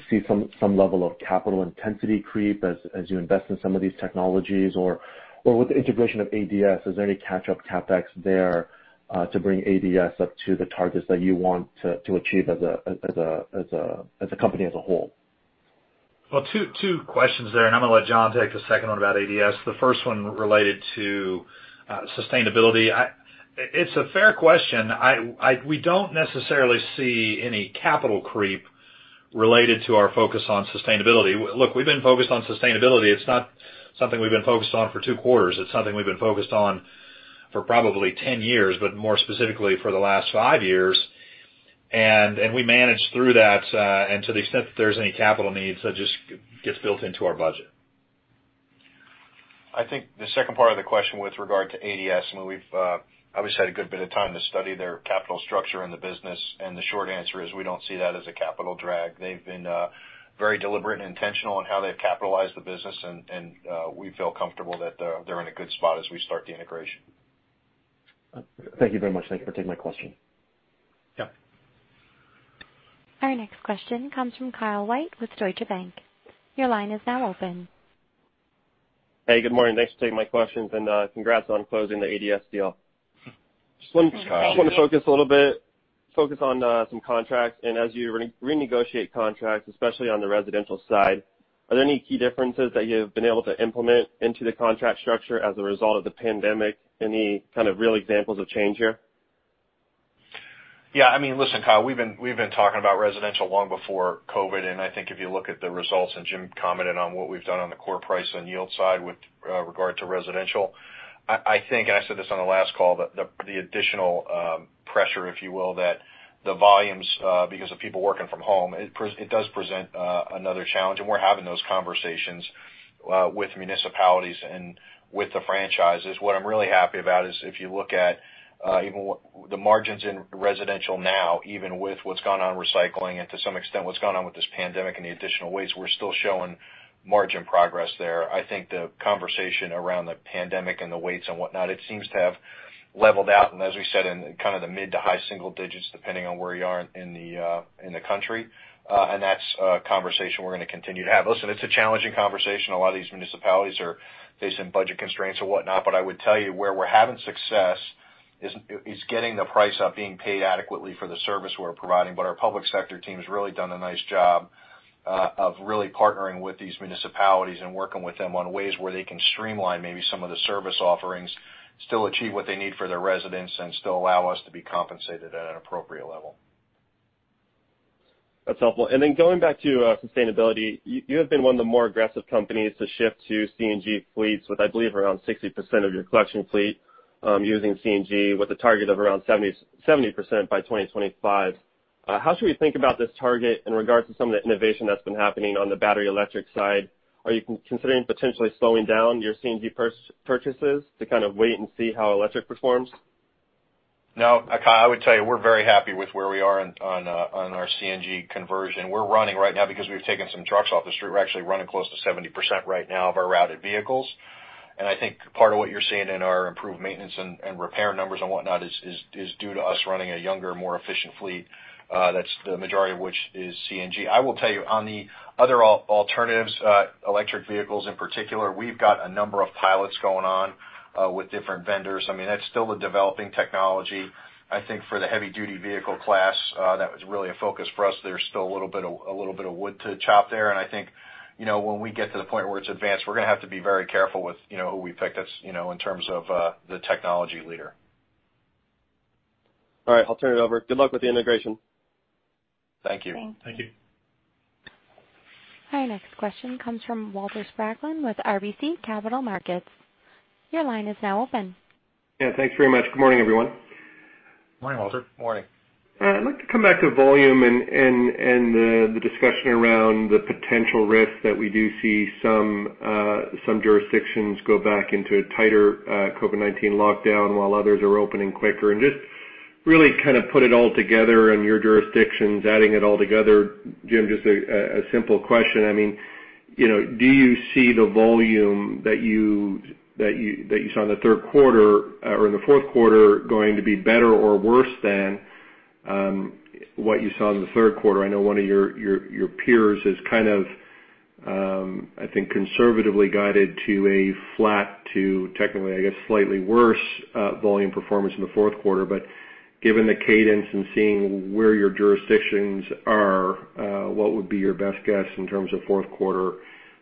see some level of capital intensity creep as you invest in some of these technologies? With the integration of ADS, is there any catch-up CapEx there to bring ADS up to the targets that you want to achieve as a company as a whole? Well, two questions there, and I'm going to let John take the second one about ADS. The first one related to sustainability. It's a fair question. We don't necessarily see any capital creep related to our focus on sustainability. Look, we've been focused on sustainability. It's not something we've been focused on for two quarters. It's something we've been focused on for probably 10 years, but more specifically for the last five years, and we managed through that. To the extent that there's any capital needs, that just gets built into our budget. I think the second part of the question with regard to ADS, I mean, we've obviously had a good bit of time to study their capital structure in the business. The short answer is we don't see that as a capital drag. They've been very deliberate and intentional on how they've capitalized the business. We feel comfortable that they're in a good spot as we start the integration. Thank you very much. Thank you for taking my question. Yeah. Our next question comes from Kyle White with Deutsche Bank. Your line is now open. Hey, good morning. Thanks for taking my questions, and congrats on closing the ADS deal. Thanks, Kyle. Just want to focus a little bit, focus on some contracts. As you renegotiate contracts, especially on the residential side, are there any key differences that you have been able to implement into the contract structure as a result of the pandemic? Any kind of real examples of change here? Yeah. Listen, Kyle, we've been talking about residential long before COVID, and I think if you look at the results, and Jim commented on what we've done on the core price and yield side with regard to residential. I think, and I said this on the last call, the additional pressure, if you will, that the volumes because of people working from home, it does present another challenge, and we're having those conversations with municipalities and with the franchises. What I'm really happy about is if you look at even the margins in residential now, even with what's gone on recycling and to some extent what's gone on with this pandemic and the additional waste, we're still showing margin progress there. I think the conversation around the pandemic and the weights and whatnot, it seems to have leveled out, as we said, in kind of the mid to high single digits, depending on where you are in the country. That's a conversation we're going to continue to have. Listen, it's a challenging conversation. A lot of these municipalities are facing budget constraints or whatnot, but I would tell you where we're having success is getting the price up, being paid adequately for the service we're providing. Our public sector team has really done a nice job of really partnering with these municipalities and working with them on ways where they can streamline maybe some of the service offerings, still achieve what they need for their residents, and still allow us to be compensated at an appropriate level. That's helpful. Then going back to sustainability, you have been one of the more aggressive companies to shift to CNG fleets with, I believe, around 60% of your collection fleet using CNG with a target of around 70% by 2025. How should we think about this target in regards to some of the innovation that's been happening on the battery electric side? Are you considering potentially slowing down your CNG purchases to kind of wait and see how electric performs? No. Kyle, I would tell you, we're very happy with where we are on our CNG conversion. We're running right now because we've taken some trucks off the street. We're actually running close to 70% right now of our routed vehicles. I think part of what you're seeing in our improved maintenance and repair numbers and whatnot is due to us running a younger, more efficient fleet. That's the majority of which is CNG. I will tell you on the other alternatives, electric vehicles in particular, we've got a number of pilots going on with different vendors. That's still the developing technology. I think for the heavy-duty vehicle class, that was really a focus for us. There's still a little bit of wood to chop there, and I think, when we get to the point where it's advanced, we're going to have to be very careful with who we pick in terms of the technology leader. All right. I'll turn it over. Good luck with the integration. Thank you. Thank you. Our next question comes from Walter Spracklin with RBC Capital Markets. Yeah, thanks very much. Good morning, everyone. Morning, Walter. Morning. I'd like to come back to volume and the discussion around the potential risk that we do see some jurisdictions go back into a tighter COVID-19 lockdown while others are opening quicker, and just really kind of put it all together in your jurisdictions, adding it all together. Jim, just a simple question. Do you see the volume that you saw in the fourth quarter going to be better or worse than what you saw in the third quarter? I know one of your peers has kind of, I think, conservatively guided to a flat to technically, I guess, slightly worse volume performance in the fourth quarter. Given the cadence and seeing where your jurisdictions are, what would be your best guess in terms of fourth quarter,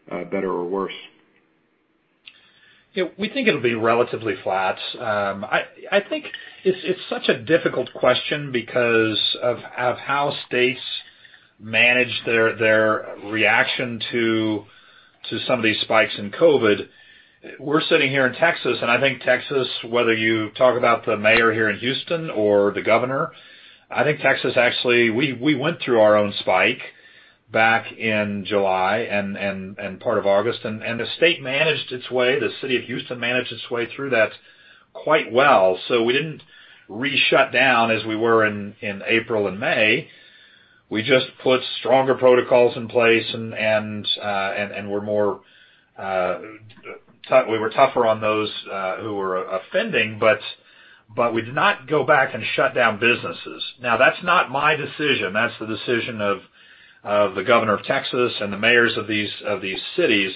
better or worse? We think it'll be relatively flat. I think it's such a difficult question because of how states manage their reaction to some of these spikes in COVID. We're sitting here in Texas, and I think Texas, whether you talk about the mayor here in Houston or the governor, I think Texas actually, we went through our own spike back in July and part of August, and the state managed its way, the city of Houston managed its way through that quite well. We didn't re-shut down as we were in April and May. We just put stronger protocols in place, and we were tougher on those who were offending, but we did not go back and shut down businesses. That's not my decision. That's the decision of the governor of Texas and the mayors of these cities.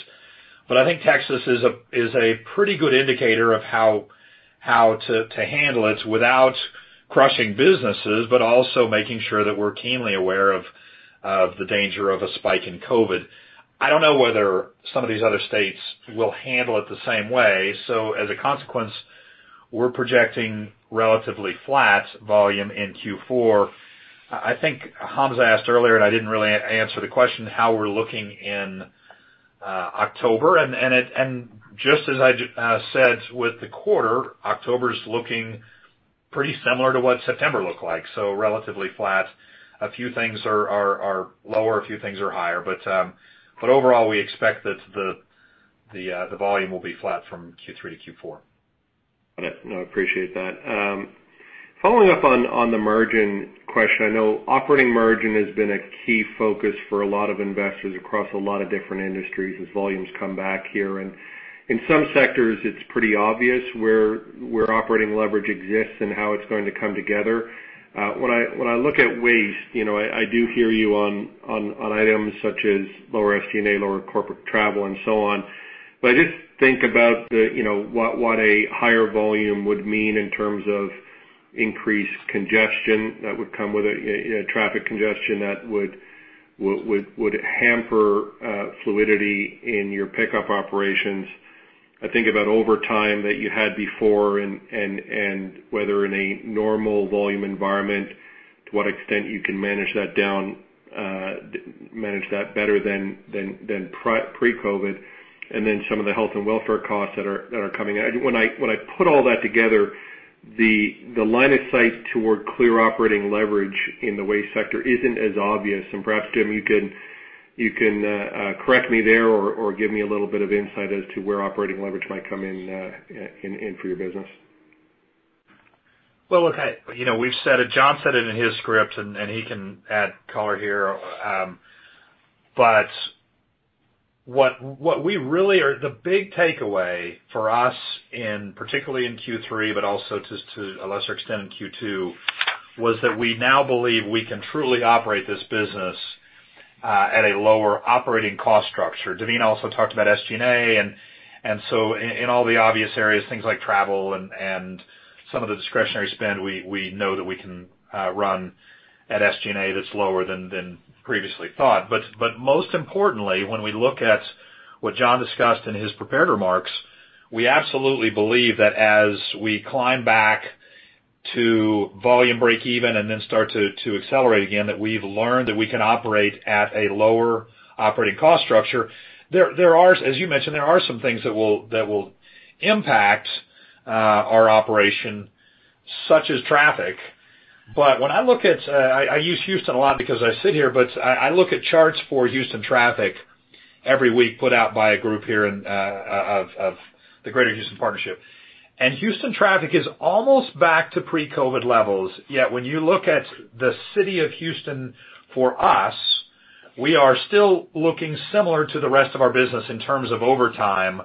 I think Texas is a pretty good indicator of how to handle it without crushing businesses, but also making sure that we're keenly aware of the danger of a spike in COVID. I don't know whether some of these other states will handle it the same way. As a consequence, we're projecting relatively flat volume in Q4. I think Hamzah asked earlier, and I didn't really answer the question, how we're looking in October, and just as I said with the quarter, October's looking pretty similar to what September looked like. Relatively flat. A few things are lower, a few things are higher. Overall, we expect that the volume will be flat from Q3 to Q4. Got it. No, I appreciate that. Following up on the margin question, I know operating margin has been a key focus for a lot of investors across a lot of different industries as volumes come back here. In some sectors, it's pretty obvious where operating leverage exists and how it's going to come together. When I look at waste, I do hear you on items such as lower SG&A, lower corporate travel, and so on. I just think about what a higher volume would mean in terms of increased congestion that would come with it, traffic congestion that would hamper fluidity in your pickup operations. I think about overtime that you had before and whether in a normal volume environment, to what extent you can manage that better than pre-COVID, and then some of the health and welfare costs that are coming in. When I put all that together, the line of sight toward clear operating leverage in the waste sector isn't as obvious. Perhaps, Jim, you can correct me there or give me a little bit of insight as to where operating leverage might come in for your business. Look, Ak, John said it in his script, and he can add color here. The big takeaway for us, particularly in Q3, but also to a lesser extent in Q2, was that we now believe we can truly operate this business at a lower operating cost structure. Devina also talked about SG&A, in all the obvious areas, things like travel and some of the discretionary spend, we know that we can run at SG&A that's lower than previously thought. Most importantly, when we look at what John discussed in his prepared remarks. We absolutely believe that as we climb back to volume breakeven and then start to accelerate again, that we've learned that we can operate at a lower operating cost structure. As you mentioned, there are some things that will impact our operation, such as traffic. I use Houston a lot because I sit here, but I look at charts for Houston traffic every week put out by a group here of the Greater Houston Partnership. Houston traffic is almost back to pre-COVID levels. Yet when you look at the city of Houston for us, we are still looking similar to the rest of our business in terms of overtime.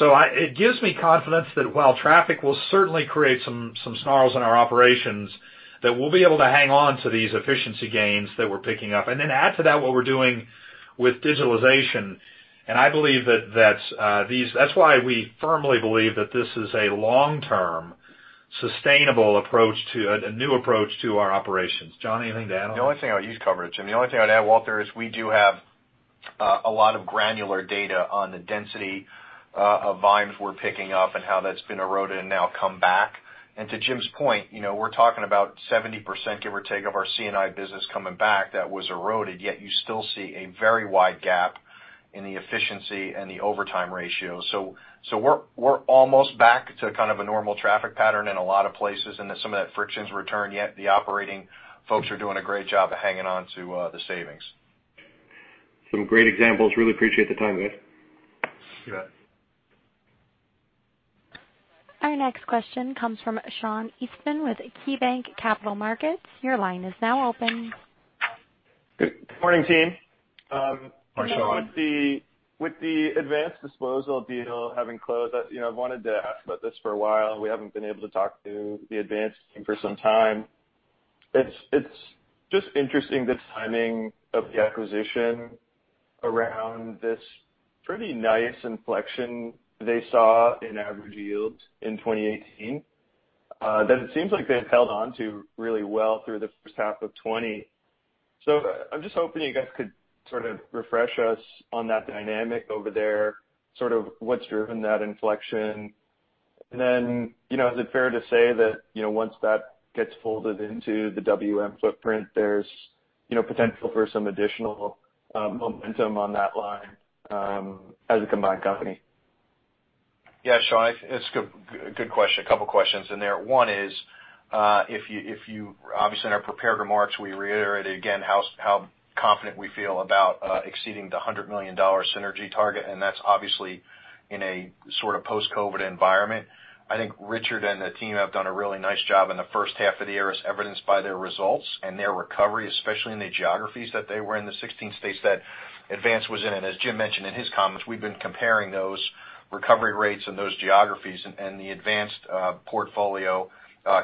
It gives me confidence that while traffic will certainly create some snarls in our operations, that we'll be able to hang on to these efficiency gains that we're picking up, and then add to that what we're doing with digitalization. I believe that's why we firmly believe that this is a long-term, sustainable approach, a new approach to our operations. John, anything to add on that? The only thing I would use coverage, and the only thing I'd add, Walter, is we do have a lot of granular data on the density of volumes we're picking up and how that's been eroded and now come back. To Jim's point, we're talking about 70%, give or take, of our C&I business coming back that was eroded, yet you still see a very wide gap in the efficiency and the overtime ratio. We're almost back to kind of a normal traffic pattern in a lot of places, and then some of that friction's returned, yet the operating folks are doing a great job of hanging on to the savings. Some great examples. Really appreciate the time, guys. You bet. Our next question comes from Sean Eastman with KeyBanc Capital Markets. Your line is now open. Good morning, team. Hi, Sean. With the Advanced Disposal deal having closed, I've wanted to ask about this for a while. We haven't been able to talk to the Advanced team for some time. It's just interesting, the timing of the acquisition around this pretty nice inflection they saw in average yields in 2018, that it seems like they've held on to really well through the first half of 2020. I'm just hoping you guys could sort of refresh us on that dynamic over there, sort of what's driven that inflection. Is it fair to say that, once that gets folded into the WM footprint, there's potential for some additional momentum on that line as a combined company? Yeah, Sean. It's a good question. A couple questions in there. One is, obviously in our prepared remarks, we reiterated again how confident we feel about exceeding the $100 million synergy target, and that's obviously in a sort of post-COVID environment. I think Richard and the team have done a really nice job in the first half of the year, as evidenced by their results and their recovery, especially in the geographies that they were in, the 16 states that Advanced was in. As Jim mentioned in his comments, we've been comparing those recovery rates and those geographies, and the Advanced portfolio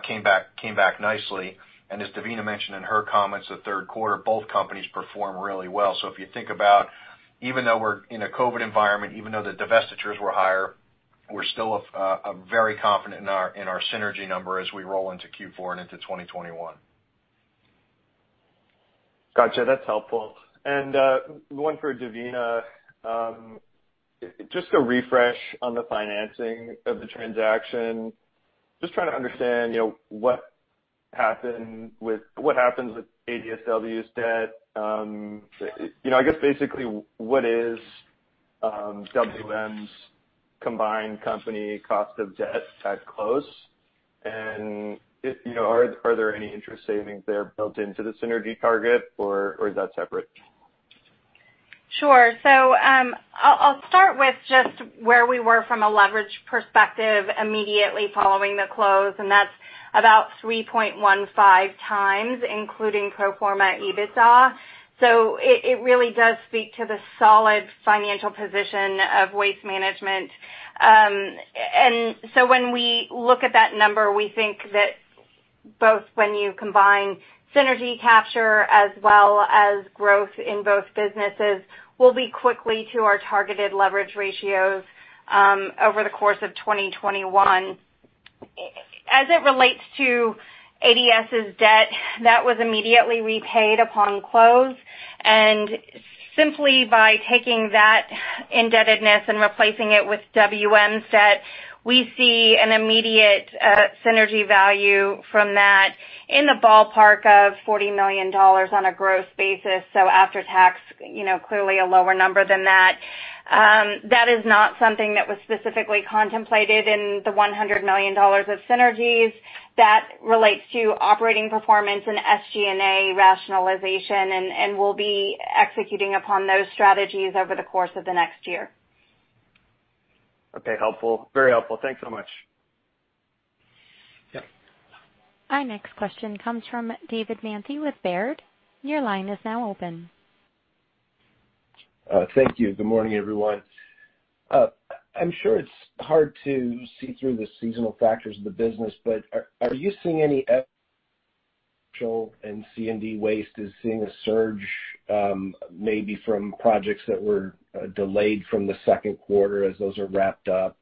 came back nicely. As Devina mentioned in her comments, the third quarter, both companies performed really well. If you think about, even though we're in a COVID environment, even though the divestitures were higher, we're still very confident in our synergy number as we roll into Q4 and into 2021. Gotcha, that's helpful. One for Devina. Just a refresh on the financing of the transaction. Just trying to understand what happens with ADS's debt. I guess basically, what is WM's combined company cost of debt at close? Are there any interest savings there built into the synergy target, or is that separate? Sure. I'll start with just where we were from a leverage perspective immediately following the close, and that's about 3.15 times, including pro forma EBITDA. It really does speak to the solid financial position of Waste Management. When we look at that number, we think that both when you combine synergy capture as well as growth in both businesses, we'll be quickly to our targeted leverage ratios over the course of 2021. As it relates to ADS's debt, that was immediately repaid upon close. Simply by taking that indebtedness and replacing it with WM's debt, we see an immediate synergy value from that in the ballpark of $40 million on a gross basis. After tax, clearly a lower number than that. That is not something that was specifically contemplated in the $100 million of synergies. That relates to operating performance and SG&A rationalization. We'll be executing upon those strategies over the course of the next year. Okay, helpful. Very helpful. Thanks so much. Yeah. Our next question comes from David Manthey with Baird. Your line is now open. Thank you. Good morning, everyone. I'm sure it's hard to see through the seasonal factors of the business, but are you seeing any and C&D Waste is seeing a surge, maybe from projects that were delayed from the second quarter as those are wrapped up?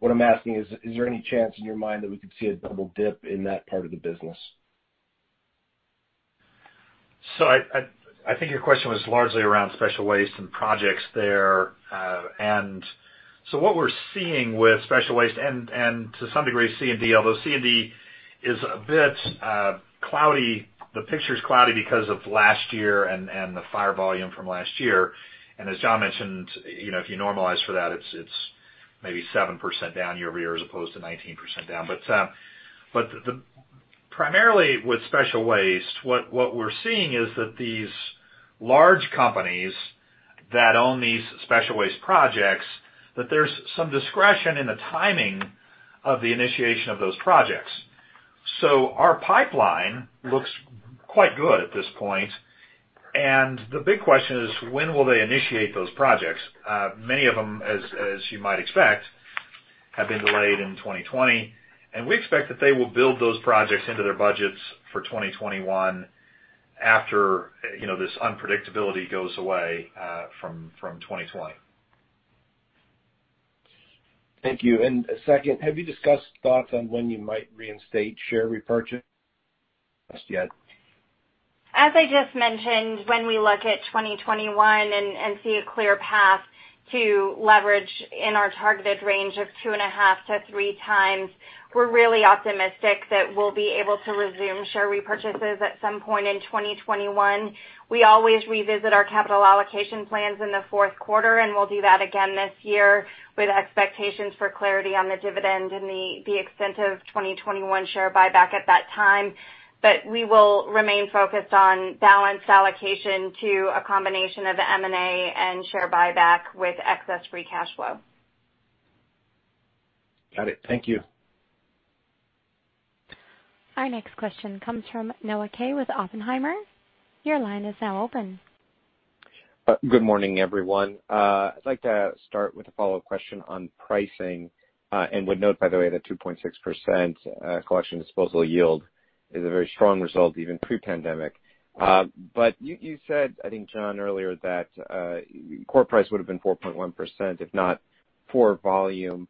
What I'm asking is there any chance in your mind that we could see a double dip in that part of the business? I think your question was largely around special waste and projects there. What we're seeing with special waste and to some degree C&D, although C&D is a bit cloudy. The picture's cloudy because of last year and the fire volume from last year. As John mentioned, if you normalize for that, it's maybe 7% down year-over-year as opposed to 19% down. Primarily with special waste, what we're seeing is that these large companies that own these special waste projects, that there's some discretion in the timing of the initiation of those projects. Our pipeline looks quite good at this point, and the big question is when will they initiate those projects? Many of them, as you might expect, have been delayed in 2020. We expect that they will build those projects into their budgets for 2021 after this unpredictability goes away from 2020. Thank you. Second, have you discussed thoughts on when you might reinstate share repurchase just yet? As I just mentioned, when we look at 2021 and see a clear path to leverage in our targeted range of two and a half to three times, we're really optimistic that we'll be able to resume share repurchases at some point in 2021. We always revisit our capital allocation plans in the fourth quarter, and we'll do that again this year with expectations for clarity on the dividend and the extent of 2021 share buyback at that time. We will remain focused on balanced allocation to a combination of M&A and share buyback with excess free cash flow. Got it. Thank you. Our next question comes from Noah Kaye with Oppenheimer. Your line is now open. Good morning, everyone. I'd like to start with a follow-up question on pricing, and would note, by the way, that 2.6% collection disposal yield is a very strong result, even pre-pandemic. You said, I think, John, earlier that core price would have been 4.1% if not for volume.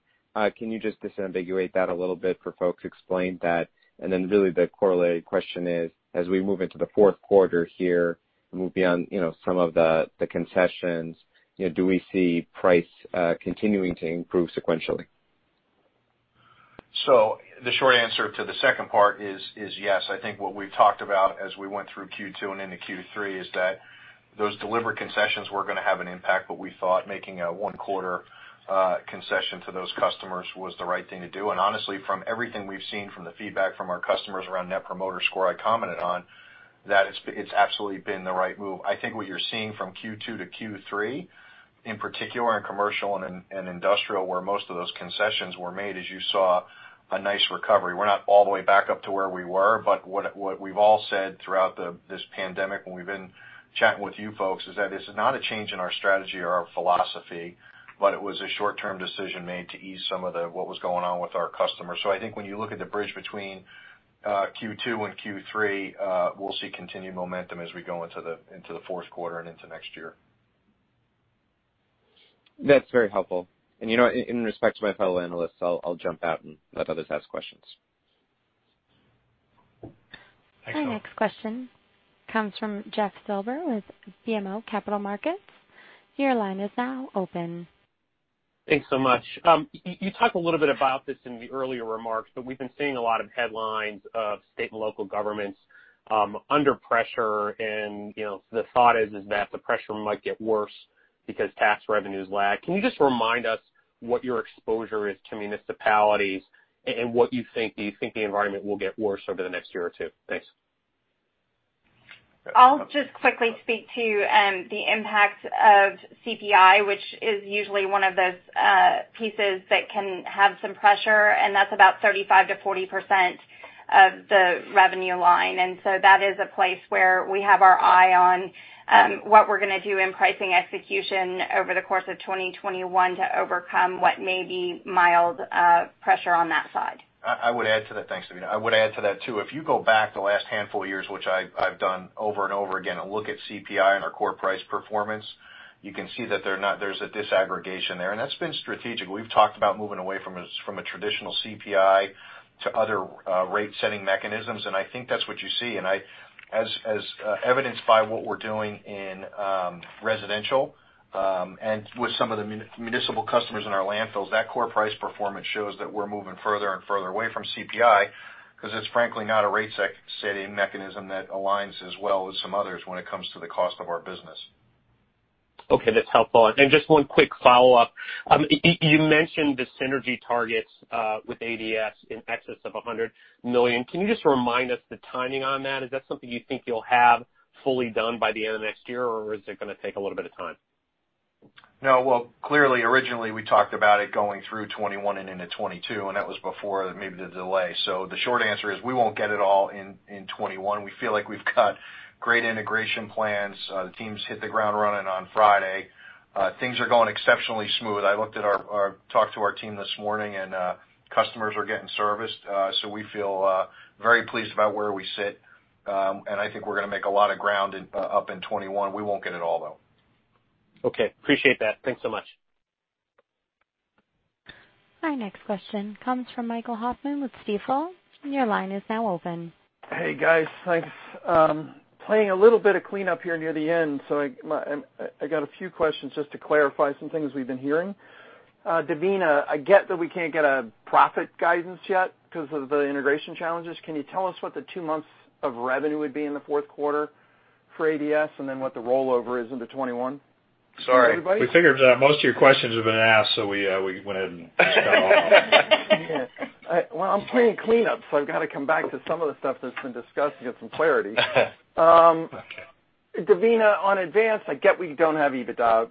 Can you just disambiguate that a little bit for folks? Explain that, and then really the correlated question is, as we move into the fourth quarter here and move beyond some of the concessions, do we see price continuing to improve sequentially? The short answer to the second part is yes. I think what we've talked about as we went through Q2 and into Q3 is that those deliberate concessions were going to have an impact, but we thought making a one-quarter concession to those customers was the right thing to do. Honestly, from everything we've seen from the feedback from our customers around Net Promoter Score, I commented on, that it's absolutely been the right move. I think what you're seeing from Q2 to Q3, in particular in commercial and in industrial, where most of those concessions were made, is you saw a nice recovery. We're not all the way back up to where we were, but what we've all said throughout this pandemic when we've been chatting with you folks is that it's not a change in our strategy or our philosophy, but it was a short-term decision made to ease some of what was going on with our customers. I think when you look at the bridge between Q2 and Q3, we'll see continued momentum as we go into the fourth quarter and into next year. That's very helpful. In respect to my fellow analysts, I'll jump out and let others ask questions. Thanks, Noah. Our next question comes from Jeff Silber with BMO Capital Markets. Your line is now open. Thanks so much. You talked a little bit about this in the earlier remarks, but we've been seeing a lot of headlines of state and local governments under pressure. The thought is that the pressure might get worse because tax revenues lag. Can you just remind us what your exposure is to municipalities and what you think? Do you think the environment will get worse over the next year or two? Thanks. I'll just quickly speak to the impact of CPI, which is usually one of those pieces that can have some pressure, and that's about 35%-40% of the revenue line. That is a place where we have our eye on what we're going to do in pricing execution over the course of 2021 to overcome what may be mild pressure on that side. I would add to that. Thanks, Devina. I would add to that, too. If you go back the last handful of years, which I've done over and over again, and look at CPI and our core price performance, you can see that there's a disaggregation there, and that's been strategic. We've talked about moving away from a traditional CPI to other rate-setting mechanisms, and I think that's what you see. As evidenced by what we're doing in residential and with some of the municipal customers in our landfills, that core price performance shows that we're moving further and further away from CPI because it's frankly not a rate-setting mechanism that aligns as well as some others when it comes to the cost of our business. Okay. That's helpful. Just one quick follow-up. You mentioned the synergy targets with ADS in excess of $100 million. Can you just remind us the timing on that? Is that something you think you'll have fully done by the end of next year, or is it going to take a little bit of time? No. Well, clearly, originally, we talked about it going through 2021 and into 2022, and that was before maybe the delay. The short answer is we won't get it all in 2021. We feel like we've got great integration plans. The teams hit the ground running on Friday. Things are going exceptionally smooth. I talked to our team this morning, and customers are getting serviced. We feel very pleased about where we sit, and I think we're going to make a lot of ground up in 2021. We won't get it all, though. Okay. Appreciate that. Thanks so much. Our next question comes from Michael Hoffman with Stifel. Your line is now open. Hey, guys. Thanks. Playing a little bit of cleanup here near the end, so I got a few questions just to clarify some things we've been hearing. Devina, I get that we can't get a profit guidance yet because of the integration challenges. Can you tell us what the two months of revenue would be in the fourth quarter for ADS, and then what the rollover is into 2021? Sorry. We figured most of your questions have been asked, so we went ahead and just got all of them. Well, I'm playing cleanup, so I've got to come back to some of the stuff that's been discussed to get some clarity. Okay. Devina, on Advance, I get we don't have EBITDA.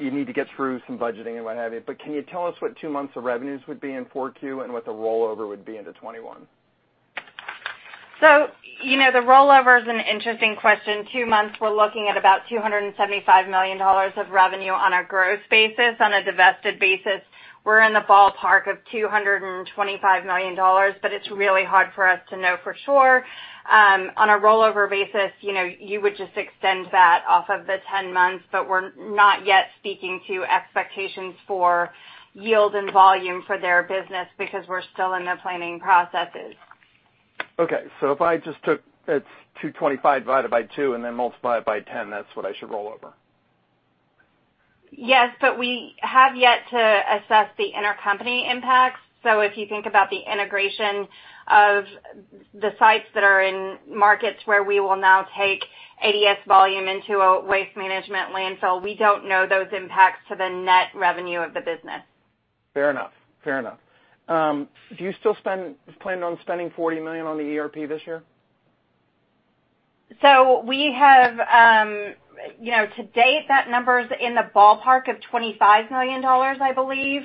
You need to get through some budgeting and what have you. Can you tell us what two months of revenues would be in Q4 and what the rollover would be into 2021? The rollover is an interesting question. Two months, we're looking at about $275 million of revenue on a gross basis. On a divested basis, we're in the ballpark of $225 million, but it's really hard for us to know for sure. On a rollover basis, you would just extend that off of the 10 months, but we're not yet speaking to expectations for yield and volume for their business because we're still in the planning processes. Okay. If I just took, it's 225 divided by two and then multiply it by 10, that's what I should roll over. We have yet to assess the intercompany impacts. If you think about the integration of the sites that are in markets where we will now take ADS volume into a Waste Management landfill, we don't know those impacts to the net revenue of the business. Fair enough. Do you still plan on spending $40 million on the ERP this year? We have, to date, that number is in the ballpark of $25 million, I believe.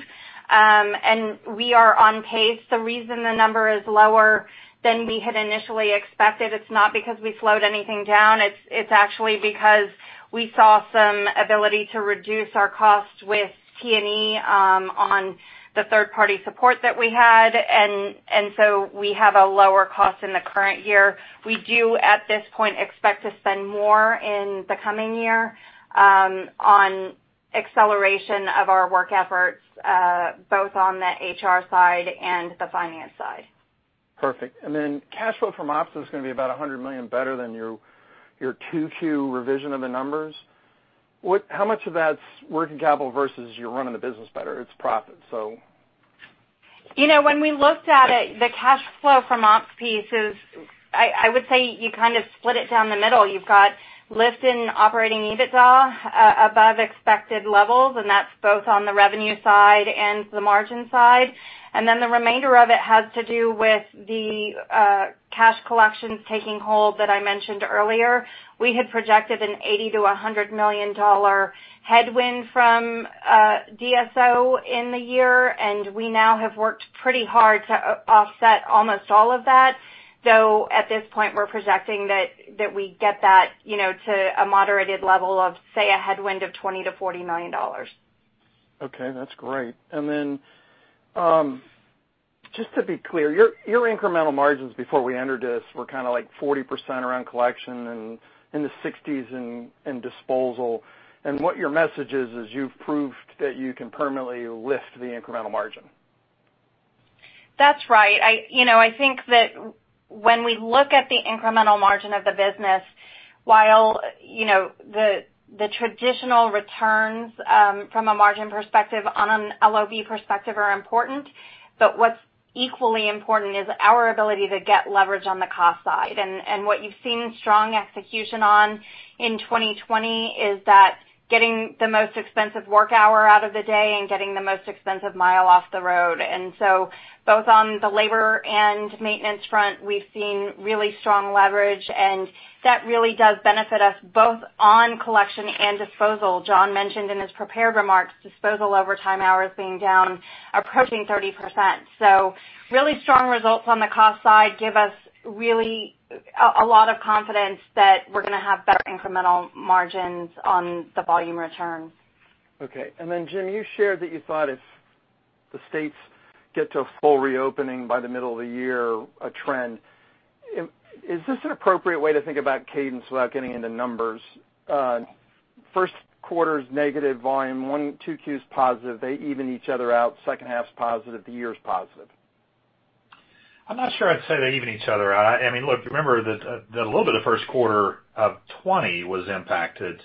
We are on pace. The reason the number is lower than we had initially expected, it's not because we slowed anything down, it's actually because we saw some ability to reduce our costs with T&E on the third-party support that we had. We have a lower cost in the current year. We do, at this point, expect to spend more in the coming year on acceleration of our work efforts, both on the HR side and the finance side. Perfect. Cash flow from ops is going to be about $100 million better than your Q2 revision of the numbers. How much of that's working capital versus you're running the business better, its profit so? When we looked at it, the cash flow from ops piece is, I would say you kind of split it down the middle. You've got lift in operating EBITDA above expected levels, that's both on the revenue side and the margin side. The remainder of it has to do with the cash collections taking hold that I mentioned earlier. We had projected a $80 million-$100 million headwind from DSO in the year, we now have worked pretty hard to offset almost all of that. At this point, we're projecting that we get that to a moderated level of, say, a headwind of $20 million-$40 million. Okay, that's great. Just to be clear, your incremental margins before we entered this were kind of like 40% around collection and in the 60% in disposal. What your message is you've proved that you can permanently lift the incremental margin. That's right. I think that when we look at the incremental margin of the business, while the traditional returns from a margin perspective on an LOB perspective are important, what's equally important is our ability to get leverage on the cost side. What you've seen strong execution on in 2020 is that getting the most expensive work hour out of the day and getting the most expensive mile off the road. Both on the labor and maintenance front, we've seen really strong leverage, and that really does benefit us both on collection and disposal. John mentioned in his prepared remarks, disposal overtime hours being down approaching 30%. Really strong results on the cost side give us really a lot of confidence that we're going to have better incremental margins on the volume returns. Okay. Jim, you shared that you thought if the states get to a full reopening by the middle of the year, a trend. Is this an appropriate way to think about cadence without getting into numbers? First quarter is negative volume, Q1 and Q2 is positive. They even each other out. Second half's positive, the year is positive. I'm not sure I'd say they even each other out. Remember that a little bit of first quarter of 2020 was impacted.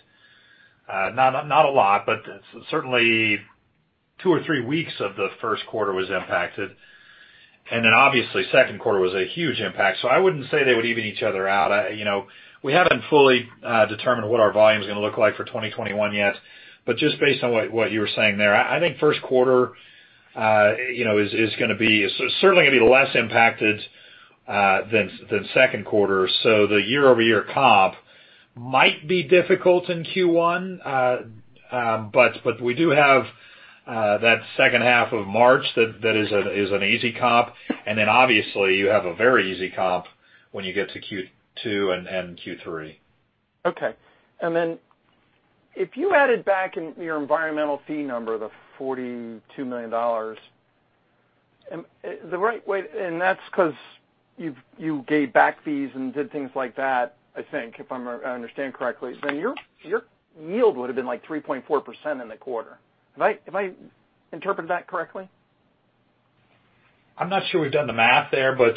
Not a lot, certainly two or three weeks of the first quarter was impacted. Obviously, second quarter was a huge impact. I wouldn't say they would even each other out. We haven't fully determined what our volume's going to look like for 2021 yet, just based on what you were saying there, I think first quarter is certainly going to be less impacted than second quarter. The year-over-year comp might be difficult in Q1, we do have that second half of March that is an easy comp. Obviously, you have a very easy comp when you get to Q2 and Q3. Okay. If you added back in your environmental fee number, the $42 million, the right way, and that's because you gave back fees and did things like that, I think, if I understand correctly. Your yield would've been like 3.4% in the quarter. Have I interpreted that correctly? I'm not sure we've done the math there, but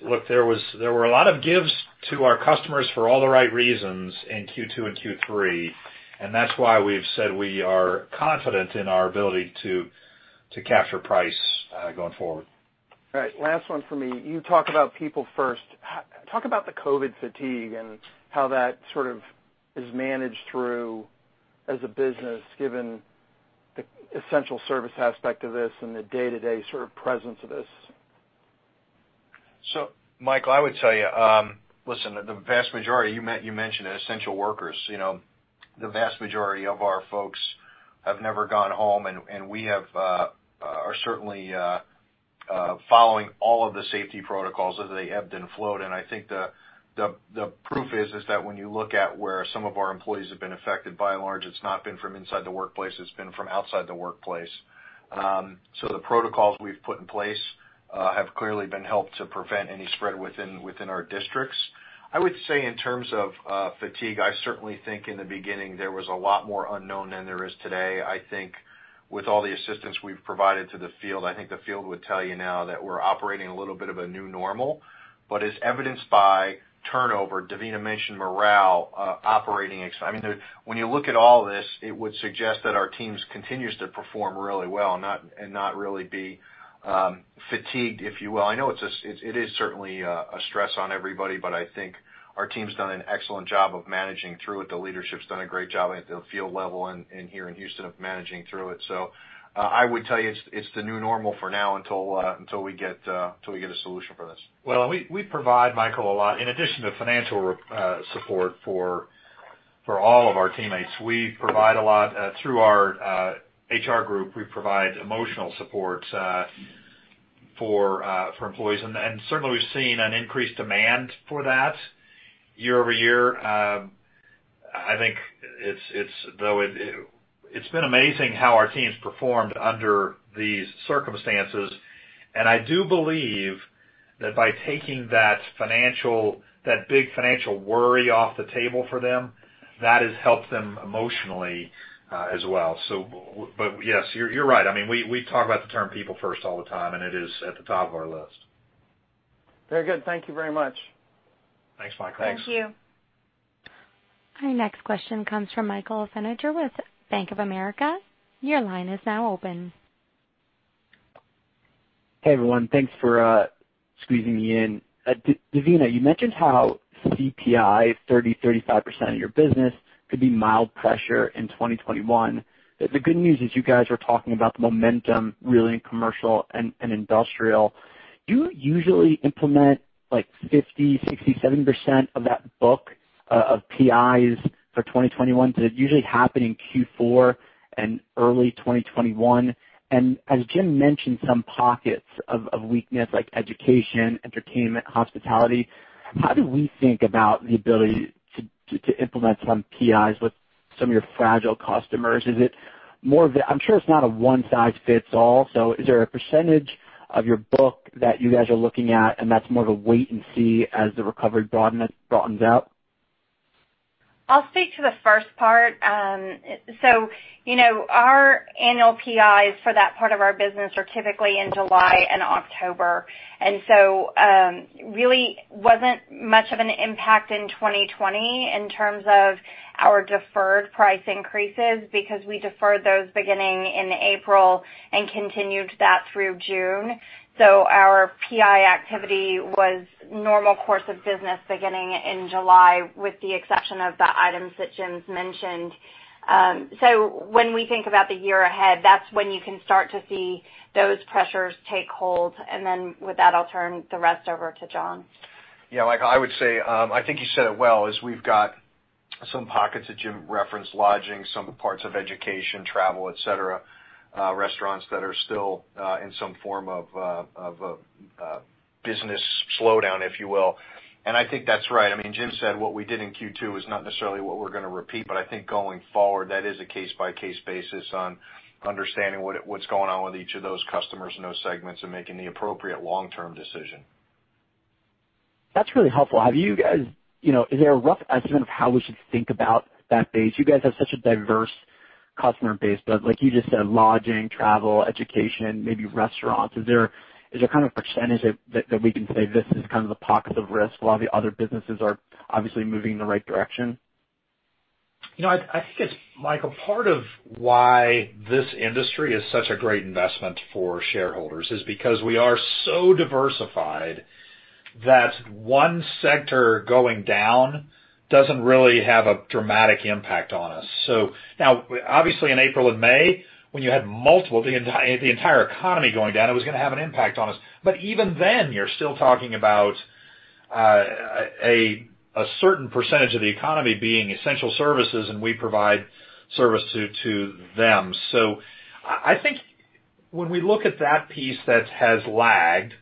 look, there were a lot of gives to our customers for all the right reasons in Q2 and Q3, and that's why we've said we are confident in our ability to capture price going forward. Right. Last one from me. You talk about people first. Talk about the COVID fatigue and how that sort of is managed through as a business, given the essential service aspect of this and the day-to-day sort of presence of this. Michael, I would tell you, listen, the vast majority, you mentioned it, essential workers. The vast majority of our folks have never gone home, and we are certainly following all of the safety protocols as they ebb and flow. I think the proof is that when you look at where some of our employees have been affected, by and large, it's not been from inside the workplace, it's been from outside the workplace. The protocols we've put in place have clearly been helped to prevent any spread within our districts. I would say in terms of fatigue, I certainly think in the beginning there was a lot more unknown than there is today. I think with all the assistance we've provided to the field, I think the field would tell you now that we're operating a little bit of a new normal, as evidenced by turnover, Devina mentioned morale, I mean, when you look at all this, it would suggest that our teams continues to perform really well and not really be fatigued, if you will. I know it is certainly a stress on everybody, I think our team's done an excellent job of managing through it. The leadership's done a great job at the field level and here in Houston of managing through it. I would tell you it's the new normal for now until we get a solution for this. Well, we provide, Michael, a lot. In addition to financial support for all of our teammates, we provide a lot through our HR group. We provide emotional support for employees. Certainly we've seen an increased demand for that year-over-year. I think it's been amazing how our team's performed under these circumstances, and I do believe that by taking that big financial worry off the table for them, that has helped them emotionally as well. Yes, you're right. I mean, we talk about the term people first all the time, and it is at the top of our list. Very good. Thank you very much. Thanks, Michael. Thanks. Thank you. Our next question comes from Michael Senatore with Bank of America. Your line is now open. Hey everyone. Thanks for squeezing me in. Devina, you mentioned how CPI, 30%-35% of your business, could be mild pressure in 2021. The good news is you guys are talking about the momentum really in commercial and industrial. Do you usually implement like 50%-67% of that book of PIs for 2021? Does it usually happen in Q4 and early 2021? As Jim mentioned, some pockets of weakness like education, entertainment, hospitality, how do we think about the ability to implement some PIs with some of your fragile customers? I'm sure it's not a one size fits all. Is there a percentage of your book that you guys are looking at and that's more of a wait and see as the recovery broadens out? I'll speak to the first part. Our annual PIs for that part of our business are typically in July and October. Really wasn't much of an impact in 2020 in terms of our deferred price increases because we deferred those beginning in April and continued that through June. Our PI activity was normal course of business beginning in July with the exception of the items that Jim's mentioned. When we think about the year ahead, that's when you can start to see those pressures take hold. With that, I'll turn the rest over to John. Michael, I would say, I think you said it well, is we've got some pockets that Jim referenced, lodging, some parts of education, travel, et cetera, restaurants that are still in some form of a business slowdown, if you will. I think that's right. I mean, Jim said what we did in Q2 is not necessarily what we're gonna repeat, but I think going forward, that is a case-by-case basis on understanding what's going on with each of those customers in those segments and making the appropriate long-term decision. That's really helpful. Is there a rough estimate of how we should think about that base? You guys have such a diverse customer base, but like you just said, lodging, travel, education, maybe restaurants. Is there a kind of percentage that we can say this is kind of the pocket of risk while the other businesses are obviously moving in the right direction? I think it's, Michael, part of why this industry is such a great investment for shareholders is because we are so diversified that one sector going down doesn't really have a dramatic impact on us. Now, obviously in April and May, when you had multiple, the entire economy going down, it was gonna have an impact on us. Even then, you're still talking about a certain percentage of the economy being essential services, and we provide service to them. I think when we look at that piece that has lagged,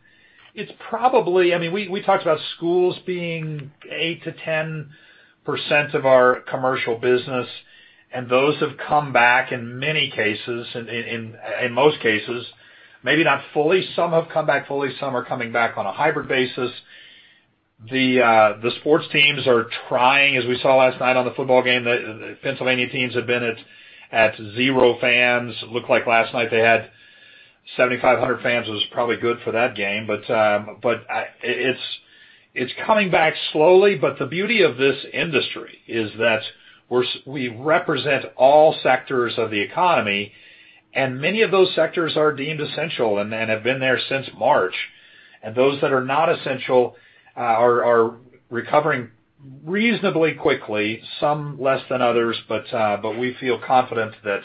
it's probably, I mean, we talked about schools being 8%-10% of our commercial business, and those have come back in many cases, in most cases, maybe not fully. Some have come back fully, some are coming back on a hybrid basis. The sports teams are trying, as we saw last night on the football game, the Pennsylvania teams have been at zero fans. It looked like last night they had 7,500 fans, which was probably good for that game. It's coming back slowly, but the beauty of this industry is that we represent all sectors of the economy, and many of those sectors are deemed essential and have been there since March, and those that are not essential are recovering reasonably quickly, some less than others, but we feel confident that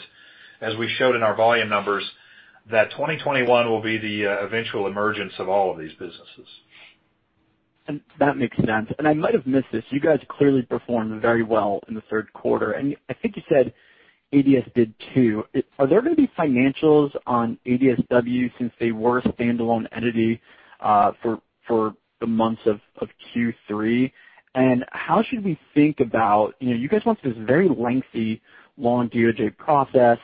as we showed in our volume numbers, that 2021 will be the eventual emergence of all of these businesses. That makes sense. I might have missed this, you guys clearly performed very well in the third quarter, and I think you said ADS did too. Are there going to be financials on ADS since they were a standalone entity for the months of Q3? How should we think about, you guys went through this very lengthy, long DOJ process.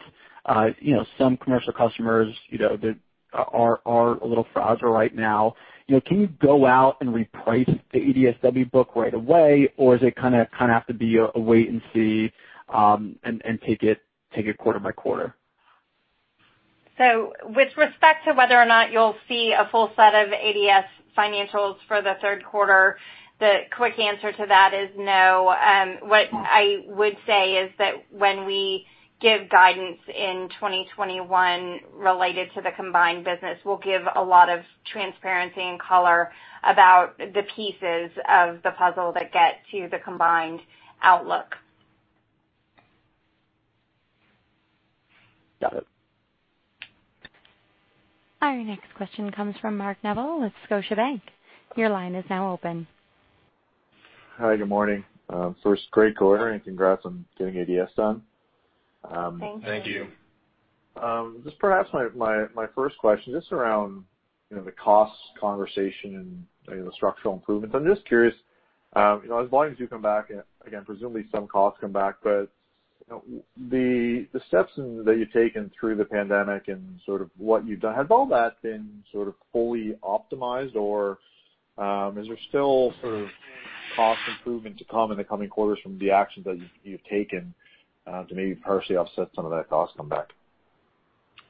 Some commercial customers that are a little frazzled right now. Can you go out and reprice the ADS book right away, or does it kind of have to be a wait and see, and take it quarter by quarter? With respect to whether or not you'll see a full set of ADS financials for the third quarter, the quick answer to that is no. What I would say is that when we give guidance in 2021 related to the combined business, we'll give a lot of transparency and color about the pieces of the puzzle that get to the combined outlook. Got it. Our next question comes from Mark Neville with Scotiabank. Your line is now open. Hi, good morning. First great quarter and congrats on getting ADS done. Thank you. Thank you. Just perhaps my first question, just around the costs conversation and the structural improvements, I'm just curious, as volumes do come back, again, presumably some costs come back, but the steps that you've taken through the pandemic and sort of what you've done, has all that been sort of fully optimized, or is there still sort of cost improvement to come in the coming quarters from the actions that you've taken to maybe partially offset some of that cost come back?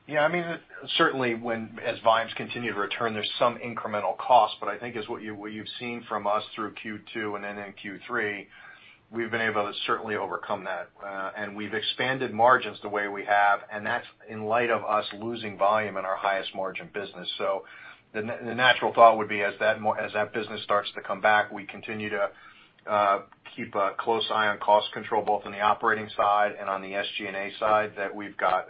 Yeah, certainly as volumes continue to return, there's some incremental cost. I think as what you've seen from us through Q2 and then in Q3, we've been able to certainly overcome that. We've expanded margins the way we have, and that's in light of us losing volume in our highest margin business. The natural thought would be as that business starts to come back, we continue to keep a close eye on cost control, both on the operating side and on the SG&A side, that we've got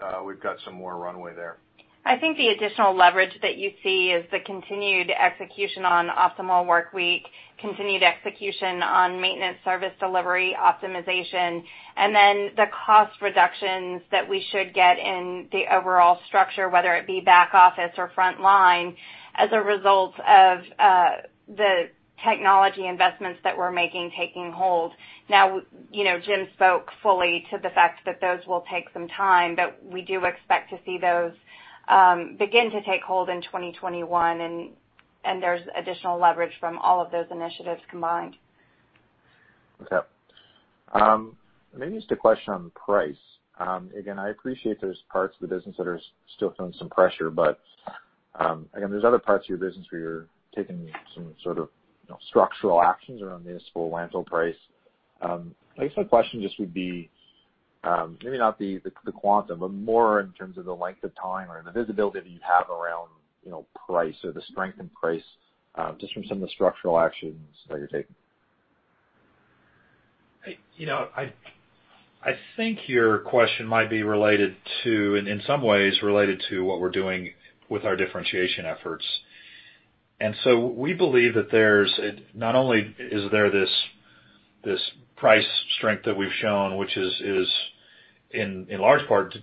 some more runway there. I think the additional leverage that you see is the continued execution on optimal workweek, continued execution on maintenance service delivery optimization, and then the cost reductions that we should get in the overall structure, whether it be back office or front line, as a result of the technology investments that we're making taking hold. Jim spoke fully to the fact that those will take some time, but we do expect to see those begin to take hold in 2021, and there's additional leverage from all of those initiatives combined. Okay. Maybe just a question on price. Again, I appreciate there's parts of the business that are still feeling some pressure, but again, there's other parts of your business where you're taking some sort of structural actions around municipal landfill price. I guess my question just would be, maybe not the quantum, but more in terms of the length of time or the visibility that you have around price or the strength in price, just from some of the structural actions that you're taking. I think your question might be, in some ways, related to what we're doing with our differentiation efforts. We believe that not only is there this price strength that we've shown, which is in large part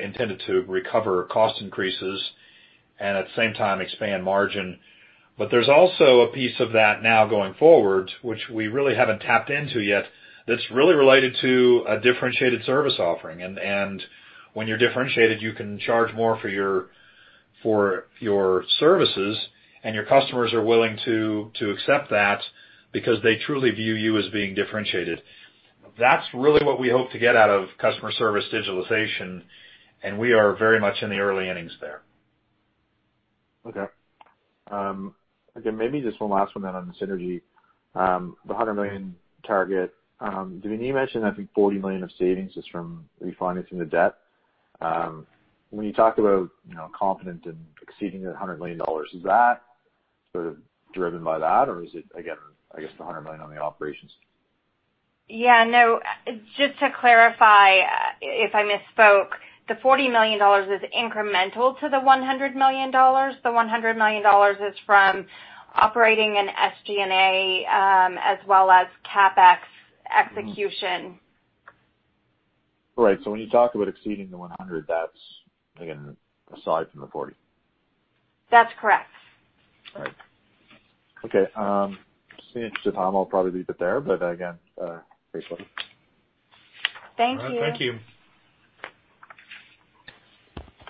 intended to recover cost increases and at the same time expand margin, but there's also a piece of that now going forward, which we really haven't tapped into yet, that's really related to a differentiated service offering. When you're differentiated, you can charge more for your services, and your customers are willing to accept that because they truly view you as being differentiated. That's really what we hope to get out of customer service digitalization, and we are very much in the early innings there. Okay. Maybe just one last one then on the synergy. The $100 million target. Devina, you mentioned, I think, $40 million of savings just from refinancing the debt. When you talked about confident in exceeding the $100 million, is that sort of driven by that, or is it again, I guess the $100 million on the operations? Yeah, no, just to clarify, if I misspoke, the $40 million is incremental to the $100 million. The $100 million is from operating and SG&A, as well as CapEx execution. Right. When you talk about exceeding the $100, that's, again, aside from the $40. That's correct. All right. Okay. Seeing as to time, I'll probably leave it there, but again, great quarter. Thank you. All right. Thank you.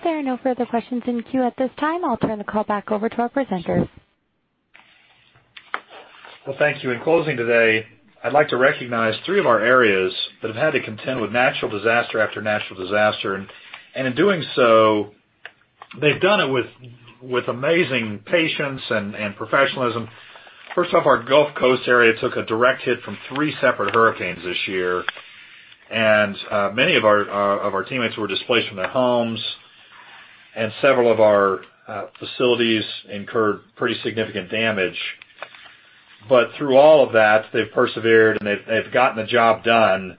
There are no further questions in queue at this time. I'll turn the call back over to our presenters. Well, thank you. In closing today, I'd like to recognize three of our areas that have had to contend with natural disaster after natural disaster. In doing so, they've done it with amazing patience and professionalism. First off, our Gulf Coast area took a direct hit from three separate hurricanes this year. Many of our teammates were displaced from their homes, and several of our facilities incurred pretty significant damage. Through all of that, they've persevered, and they've gotten the job done,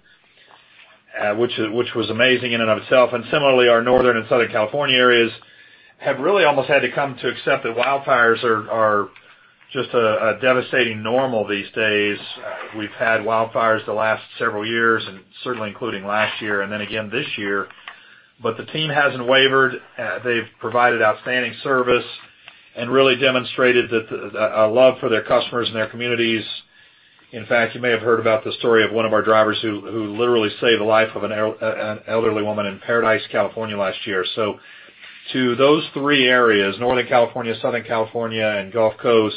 which was amazing in and of itself. Similarly, our Northern and Southern California areas have really almost had to come to accept that wildfires are just a devastating normal these days. We've had wildfires the last several years, and certainly including last year, and then again this year, but the team hasn't wavered. They've provided outstanding service and really demonstrated a love for their customers and their communities. In fact, you may have heard about the story of one of our drivers who literally saved the life of an elderly woman in Paradise, California last year. To those three areas, Northern California, Southern California, and Gulf Coast,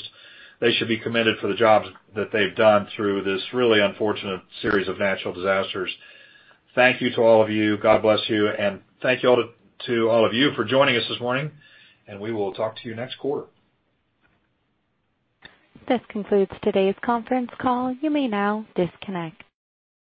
they should be commended for the jobs that they've done through this really unfortunate series of natural disasters. Thank you to all of you. God bless you. Thank you to all of you for joining us this morning. We will talk to you next quarter. This concludes today's conference call. You may now disconnect.